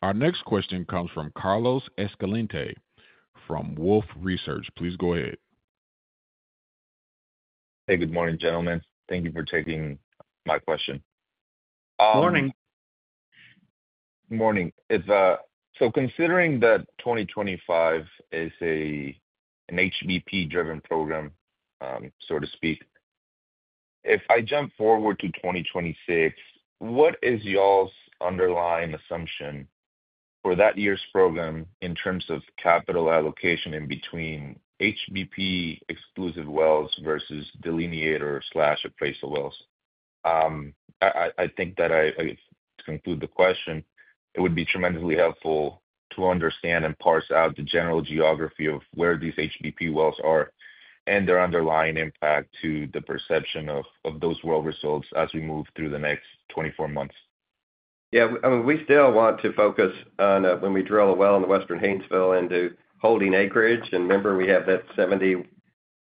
Our next question comes from Carlos Escalante from Wolfe Research. Please go ahead. Hey, good morning, gentlemen. Thank you for taking my question. Morning. Morning. Considering that 2025 is an HBP-driven program, so to speak, if I jump forward to 2026, what is y'all's underlying assumption for that year's program in terms of capital allocation in between HBP-exclusive wells versus delineator/appraisal wells? I think that to conclude the question, it would be tremendously helpful to understand and parse out the general geography of where these HBP wells are and their underlying impact to the perception of those well results as we move through the next 24 months. Yeah. I mean, we still want to focus on when we drill a well in the Western Haynesville into holding acreage. Remember, we have that 70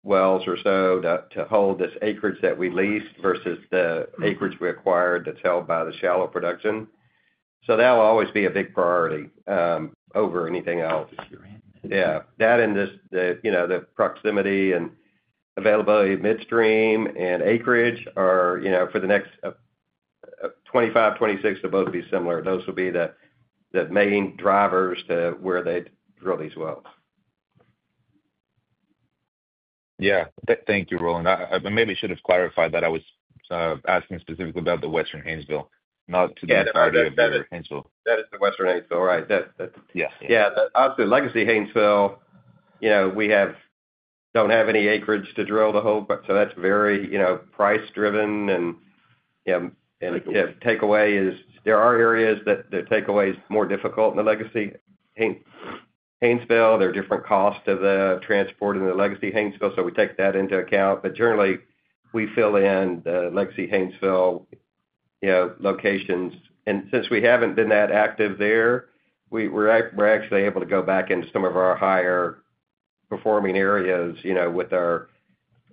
wells or so to hold this acreage that we leased versus the acreage we acquired that's held by the shallow production. That will always be a big priority over anything else. Yeah. That and the proximity and availability of midstream and acreage are for the next 25, 26 to both be similar. Those will be the main drivers to where they drill these wells. Yeah. Thank you, Roland. I maybe should have clarified that I was asking specifically about the Western Haynesville, not to that variety of the Western Haynesville. That is the Western Haynesville. Right. Yeah. Yeah. Obviously, Legacy Haynesville, we don't have any acreage to drill the hole. That is very price-driven. Takeaway is there are areas that the takeaway is more difficult in the Legacy Haynesville. There are different costs of the transport in the Legacy Haynesville. We take that into account. Generally, we fill in the Legacy Haynesville locations. Since we have not been that active there, we are actually able to go back into some of our higher performing areas with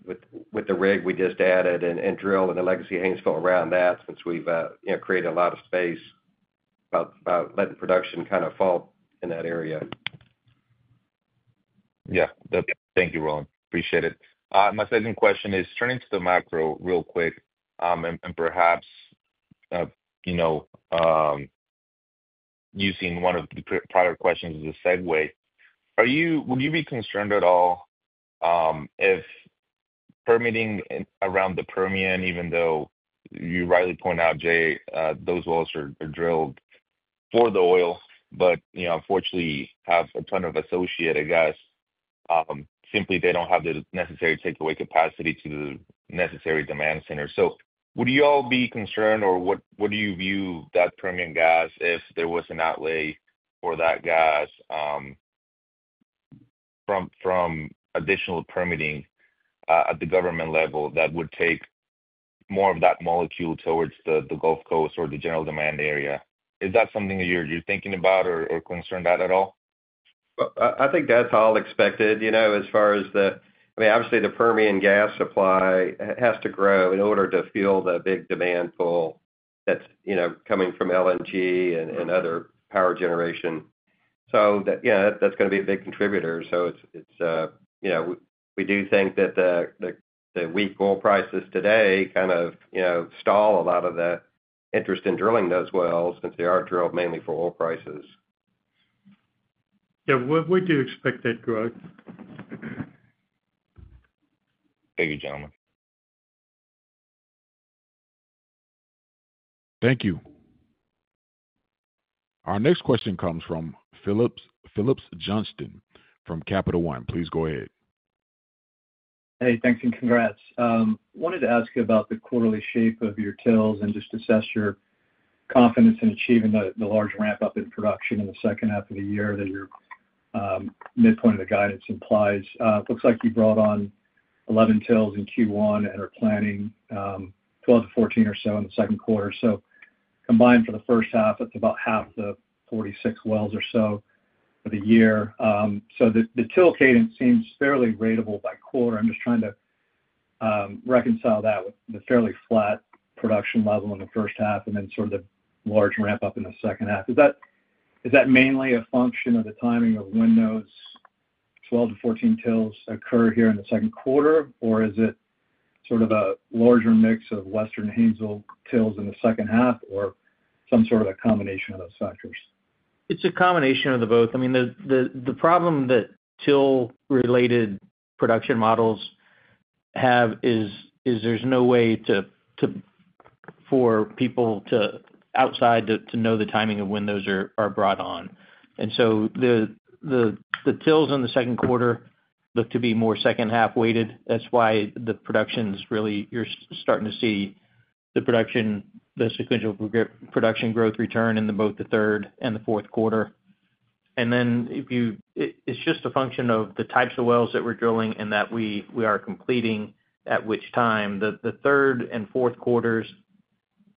the rig we just added and drill in the Legacy Haynesville around that since we have created a lot of space by letting production kind of fall in that area. Thank you, Roland. Appreciate it. My second question is turning to the macro real quick and perhaps using one of the prior questions as a segue. Would you be concerned at all if permitting around the Permian, even though you rightly point out, Jay, those wells are drilled for the oil, but unfortunately have a ton of associated gas, simply they do not have the necessary takeaway capacity to the necessary demand centers? Would y'all be concerned or what do you view that Permian gas if there was an outlay for that gas from additional permitting at the government level that would take more of that molecule towards the Gulf Coast or the general demand area? Is that something that you're thinking about or concerned at all? I think that's all expected as far as the, I mean, obviously, the Permian gas supply has to grow in order to fuel the big demand pool that's coming from LNG and other power generation. That's going to be a big contributor. We do think that the weak oil prices today kind of stall a lot of the interest in drilling those wells since they are drilled mainly for oil prices. Yeah. We do expect that growth. Thank you, gentlemen. Thank you. Our next question comes from Phillips Johnston from Capital One. Please go ahead. Hey, thanks. And congrats. Wanted to ask you about the quarterly shape of your tills and just assess your confidence in achieving the large ramp-up in production in the second half of the year that your midpoint of the guidance implies. Looks like you brought on 11 tills in Q1 and are planning 12-14 or so in the second quarter. So combined for the first half, that's about half the 46 wells or so for the year. So the till cadence seems fairly ratable by quarter. I'm just trying to reconcile that with the fairly flat production level in the first half and then sort of the large ramp-up in the second half. Is that mainly a function of the timing of when those 12tills-14 tills occur here in the second quarter, or is it sort of a larger mix of Western Haynesville tills in the second half or some sort of a combination of those factors? It's a combination of the both. I mean, the problem that till-related production models have is there's no way for people outside to know the timing of when those are brought on. And so the tills in the second quarter look to be more second-half weighted. That's why the production is really you're starting to see the sequential production growth return in both the third and the fourth quarter. It is just a function of the types of wells that we are drilling and that we are completing, at which time the third and fourth quarters,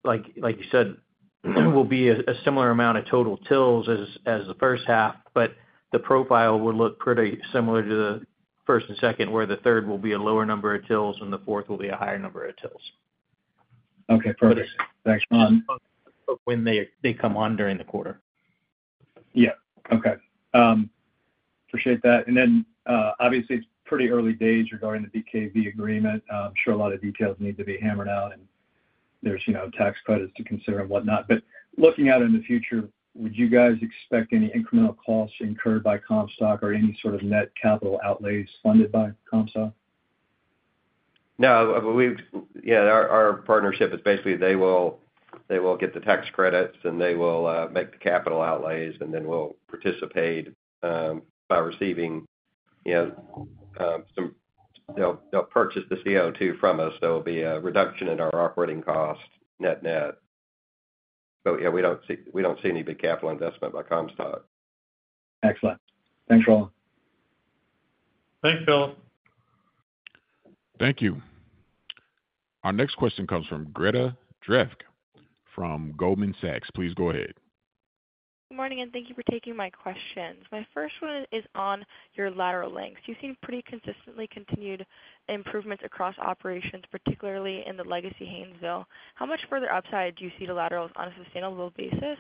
like you said, will be a similar amount of total tills as the first half, but the profile will look pretty similar to the first and second, where the third will be a lower number of tills and the fourth will be a higher number of tills. Okay. Perfect. Thanks. On when they come on during the quarter. Yeah. Okay. Appreciate that. It is pretty early days regarding the BKV agreement. I am sure a lot of details need to be hammered out, and there are tax credits to consider and whatnot. Looking out in the future, would you guys expect any incremental costs incurred by Comstock or any sort of net capital outlays funded by Comstock? No. Yeah. Our partnership is basically they will get the tax credits, and they will make the capital outlays, and then we'll participate by receiving some—they'll purchase the CO₂ from us. There will be a reduction in our operating cost net-net. Yeah, we don't see any big capital investment by Comstock. Excellent. Thanks, Roland. Thanks, Phil. Thank you. Our next question comes from Greta Drefke from Goldman Sachs. Please go ahead. Good morning, and thank you for taking my questions. My first one is on your lateral lengths. You've seen pretty consistently continued improvements across operations, particularly in the Legacy Haynesville. How much further upside do you see the laterals on a sustainable basis?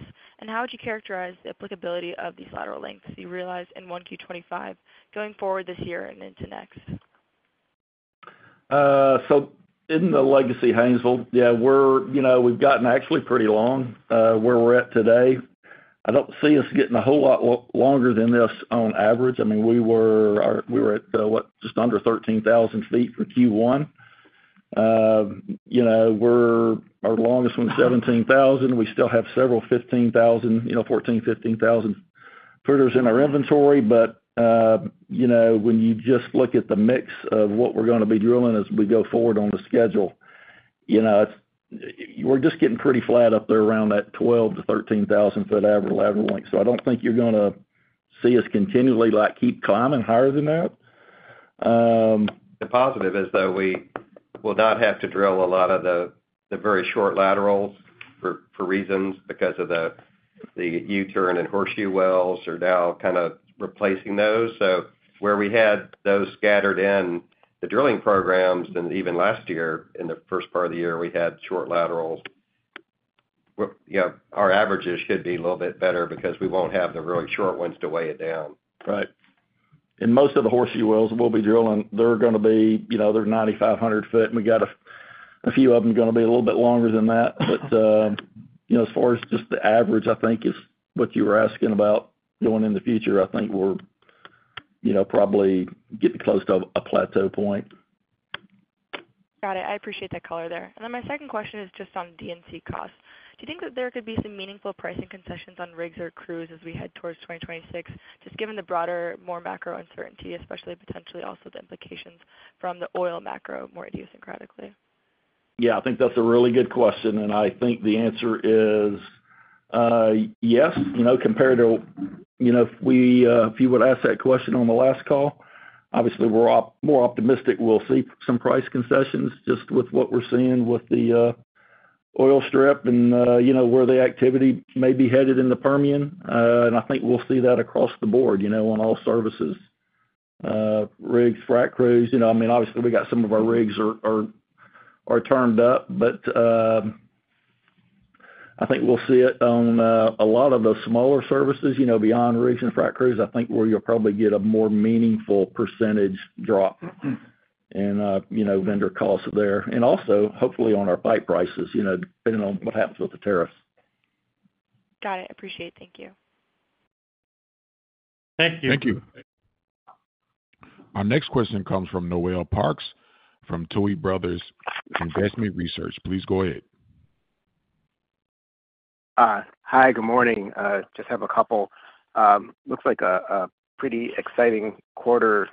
How would you characterize the applicability of these lateral lengths you realized in 1Q 2025 going forward this year and into next? In the Legacy Haynesville, yeah, we've gotten actually pretty long where we're at today. I don't see us getting a whole lot longer than this on average. I mean, we were at, what, just under 13,000 feet for Q1. Our longest was 17,000. We still have several 15,000, 14, 15 thousand footers in our inventory. When you just look at the mix of what we're going to be drilling as we go forward on the schedule, we're just getting pretty flat up there around that 12,000 foot-13,000 foot average lateral length. I don't think you're going to see us continually keep climbing higher than that. The positive is that we will not have to drill a lot of the very short laterals for reasons because the U-turn and horseshoe wells are now kind of replacing those. Where we had those scattered in the drilling programs, and even last year in the first part of the year, we had short laterals, our averages should be a little bit better because we will not have the really short ones to weigh it down. Right. Most of the horseshoe wells we will be drilling, they are going to be 9,500 foot, and we have a few of them going to be a little bit longer than that. As far as just the average, I think, is what you were asking about going in the future, I think we are probably getting close to a plateau point. Got it. I appreciate that color there. My second question is just on D&C costs. Do you think that there could be some meaningful pricing concessions on rigs or crews as we head towards 2026, just given the broader, more macro uncertainty, especially potentially also the implications from the oil macro more idiosyncratically? Yeah. I think that's a really good question. I think the answer is yes. Compared to if you would ask that question on the last call, obviously, we're more optimistic we'll see some price concessions just with what we're seeing with the oil strip and where the activity may be headed in the Permian. I think we'll see that across the board on all services, rigs, frack crews. I mean, obviously, we got some of our rigs are turned up, but I think we'll see it on a lot of the smaller services beyond rigs and frack crews. I think we'll probably get a more meaningful percentage drop in vendor costs there. Also, hopefully, on our pipe prices, depending on what happens with the tariffs. Got it. Appreciate it. Thank you. Thank you. Thank you. Our next question comes from Noel Parks from Tuohy Brothers Investment Research. Please go ahead. Hi. Good morning. Just have a couple. Looks like a pretty exciting quarter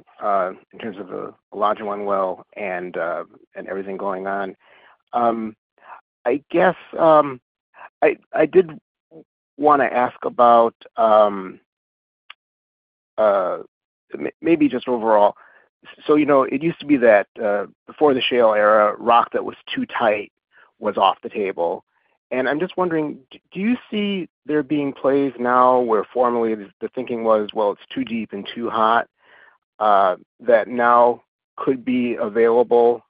in terms of the lodge and one well and everything going on. I guess I did want to ask about maybe just overall. It used to be that before the shale era, rock that was too tight was off the table. I'm just wondering, do you see there being plays now where formerly the thinking was, "Well, it's too deep and too hot," that now could be available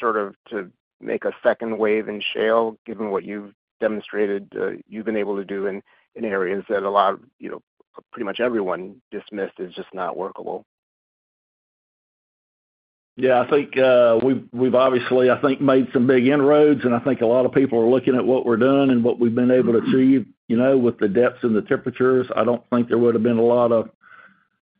sort of to make a second wave in shale, given what you've demonstrated you've been able to do in areas that pretty much everyone dismissed as just not workable? Yeah. I think we've obviously, I think, made some big inroads, and I think a lot of people are looking at what we're doing and what we've been able to achieve with the depths and the temperatures. I don't think there would have been a lot of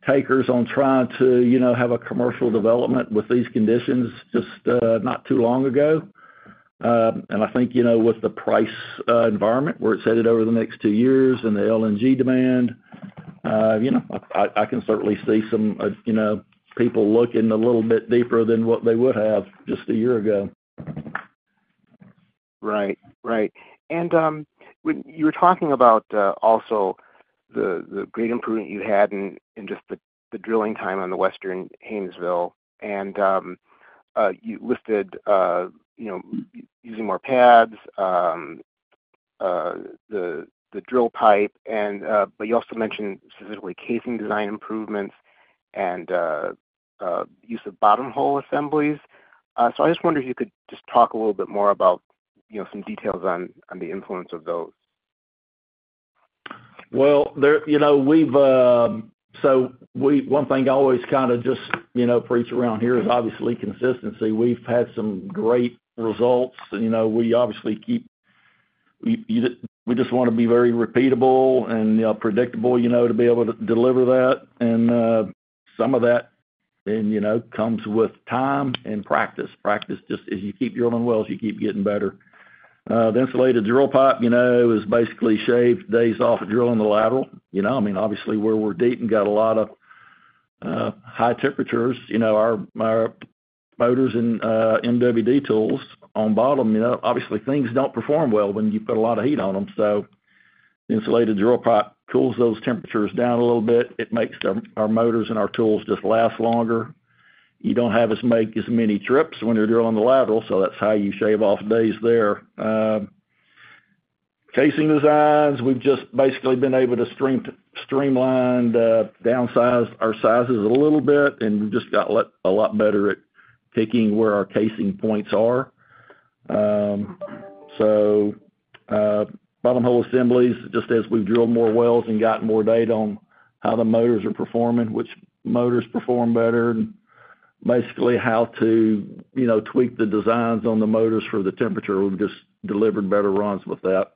takers on trying to have a commercial development with these conditions just not too long ago. I think with the price environment where it is headed over the next two years and the LNG demand, I can certainly see some people looking a little bit deeper than what they would have just a year ago. Right. Right. When you were talking about also the great improvement you had in just the drilling time on the Western Haynesville, and you listed using more pads, the drill pipe, but you also mentioned specifically casing design improvements and use of bottom hole assemblies. I just wonder if you could just talk a little bit more about some details on the influence of those. One thing I always kind of just preach around here is obviously consistency. We have had some great results. We obviously keep, we just want to be very repeatable and predictable to be able to deliver that. Some of that comes with time and practice. Practice just as you keep drilling wells, you keep getting better. The insulated drill pipe has basically shaved days off drilling the lateral. I mean, obviously, where we're deep and got a lot of high temperatures, our motors and MWD tools on bottom, obviously, things don't perform well when you put a lot of heat on them. The insulated drill pipe cools those temperatures down a little bit. It makes our motors and our tools just last longer. You don't have as many trips when you're drilling the lateral. That's how you shave off days there. Casing designs, we've just basically been able to streamline and downsize our sizes a little bit, and we've just got a lot better at picking where our casing points are. Bottom hole assemblies, just as we've drilled more wells and gotten more data on how the motors are performing, which motors perform better, and basically how to tweak the designs on the motors for the temperature, we've just delivered better runs with that.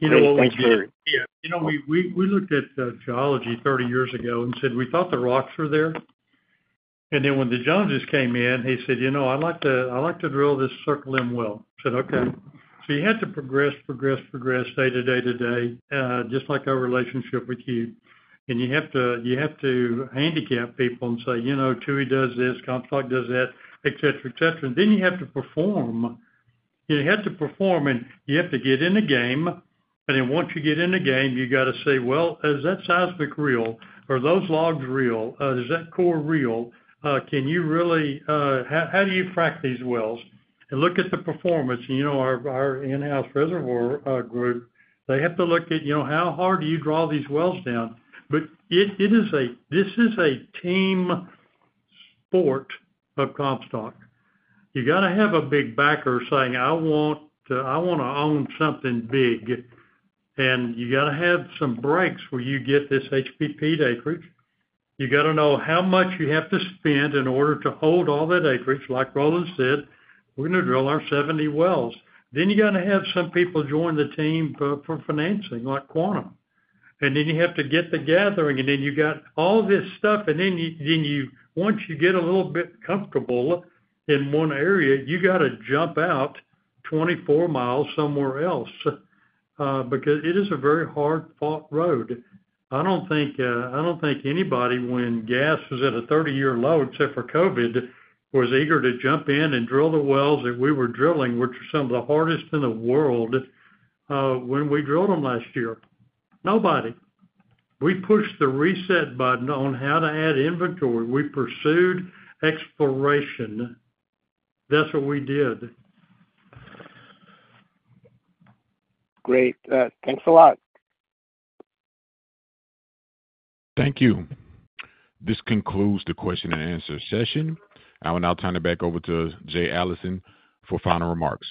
Thank you. Yeah. We looked at geology 30 years ago and said, "We thought the rocks were there." And when the geologist came in, he said, "I'd like to drill this Circle M well." I said, "Okay." You had to progress, progress, progress day to day to day, just like our relationship with you. You have to handicap people and say, "Toy does this, Comstock does that," etc., etc. You have to perform. You have to perform, and you have to get in the game. Once you get in the game, you got to say, "Is that seismic real? Are those logs real? Is that core real? Can you really how do you frack these wells? Look at the performance. Our in-house reservoir group, they have to look at how hard do you draw these wells down. This is a team sport of Comstock. You got to have a big backer saying, "I want to own something big." You got to have some breaks where you get this HBP acreage. You got to know how much you have to spend in order to hold all that acreage. Like Roland said, "We're going to drill our 70 wells." You got to have some people join the team for financing like Quantum. You have to get the gathering. You got all this stuff. Once you get a little bit comfortable in one area, you got to jump out 24 mi somewhere else because it is a very hard-fought road. I do not think anybody when gas was at a 30-year low, except for COVID, was eager to jump in and drill the wells that we were drilling, which are some of the hardest in the world when we drilled them last year. Nobody. We pushed the reset button on how to add inventory. We pursued exploration. That is what we did. Great. Thanks a lot. Thank you. This concludes the question and answer session. I will now turn it back over to Jay Allison for final remarks.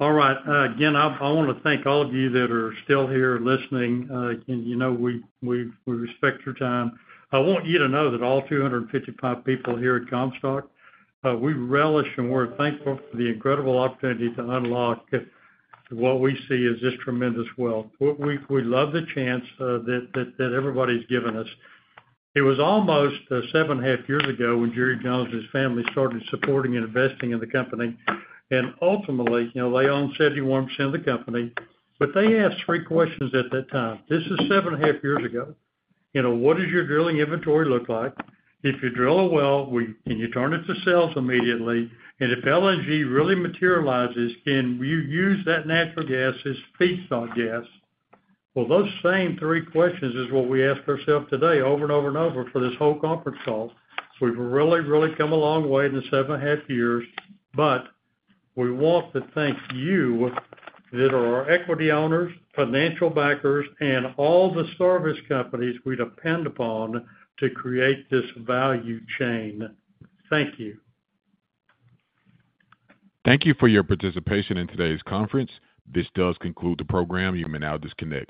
All right. Again, I want to thank all of you that are still here listening. We respect your time. I want you to know that all 255 people here at Comstock, we relish and we're thankful for the incredible opportunity to unlock what we see as this tremendous wealth. We love the chance that everybody's given us. It was almost seven and a half years ago when Jerry Jones and his family started supporting and investing in the company. Ultimately, they own 71% of the company. They asked three questions at that time. This is seven and a half years ago. What does your drilling inventory look like? If you drill a well, can you turn it to sales immediately? If LNG really materializes, can you use that natural gas as feedstock gas? Those same three questions are what we ask ourselves today over and over and over for this whole conference call. We have really, really come a long way in the seven and a half years. We want to thank you that are our equity owners, financial backers, and all the service companies we depend upon to create this value chain. Thank you. Thank you for your participation in today's conference. This does conclude the program. You may now disconnect.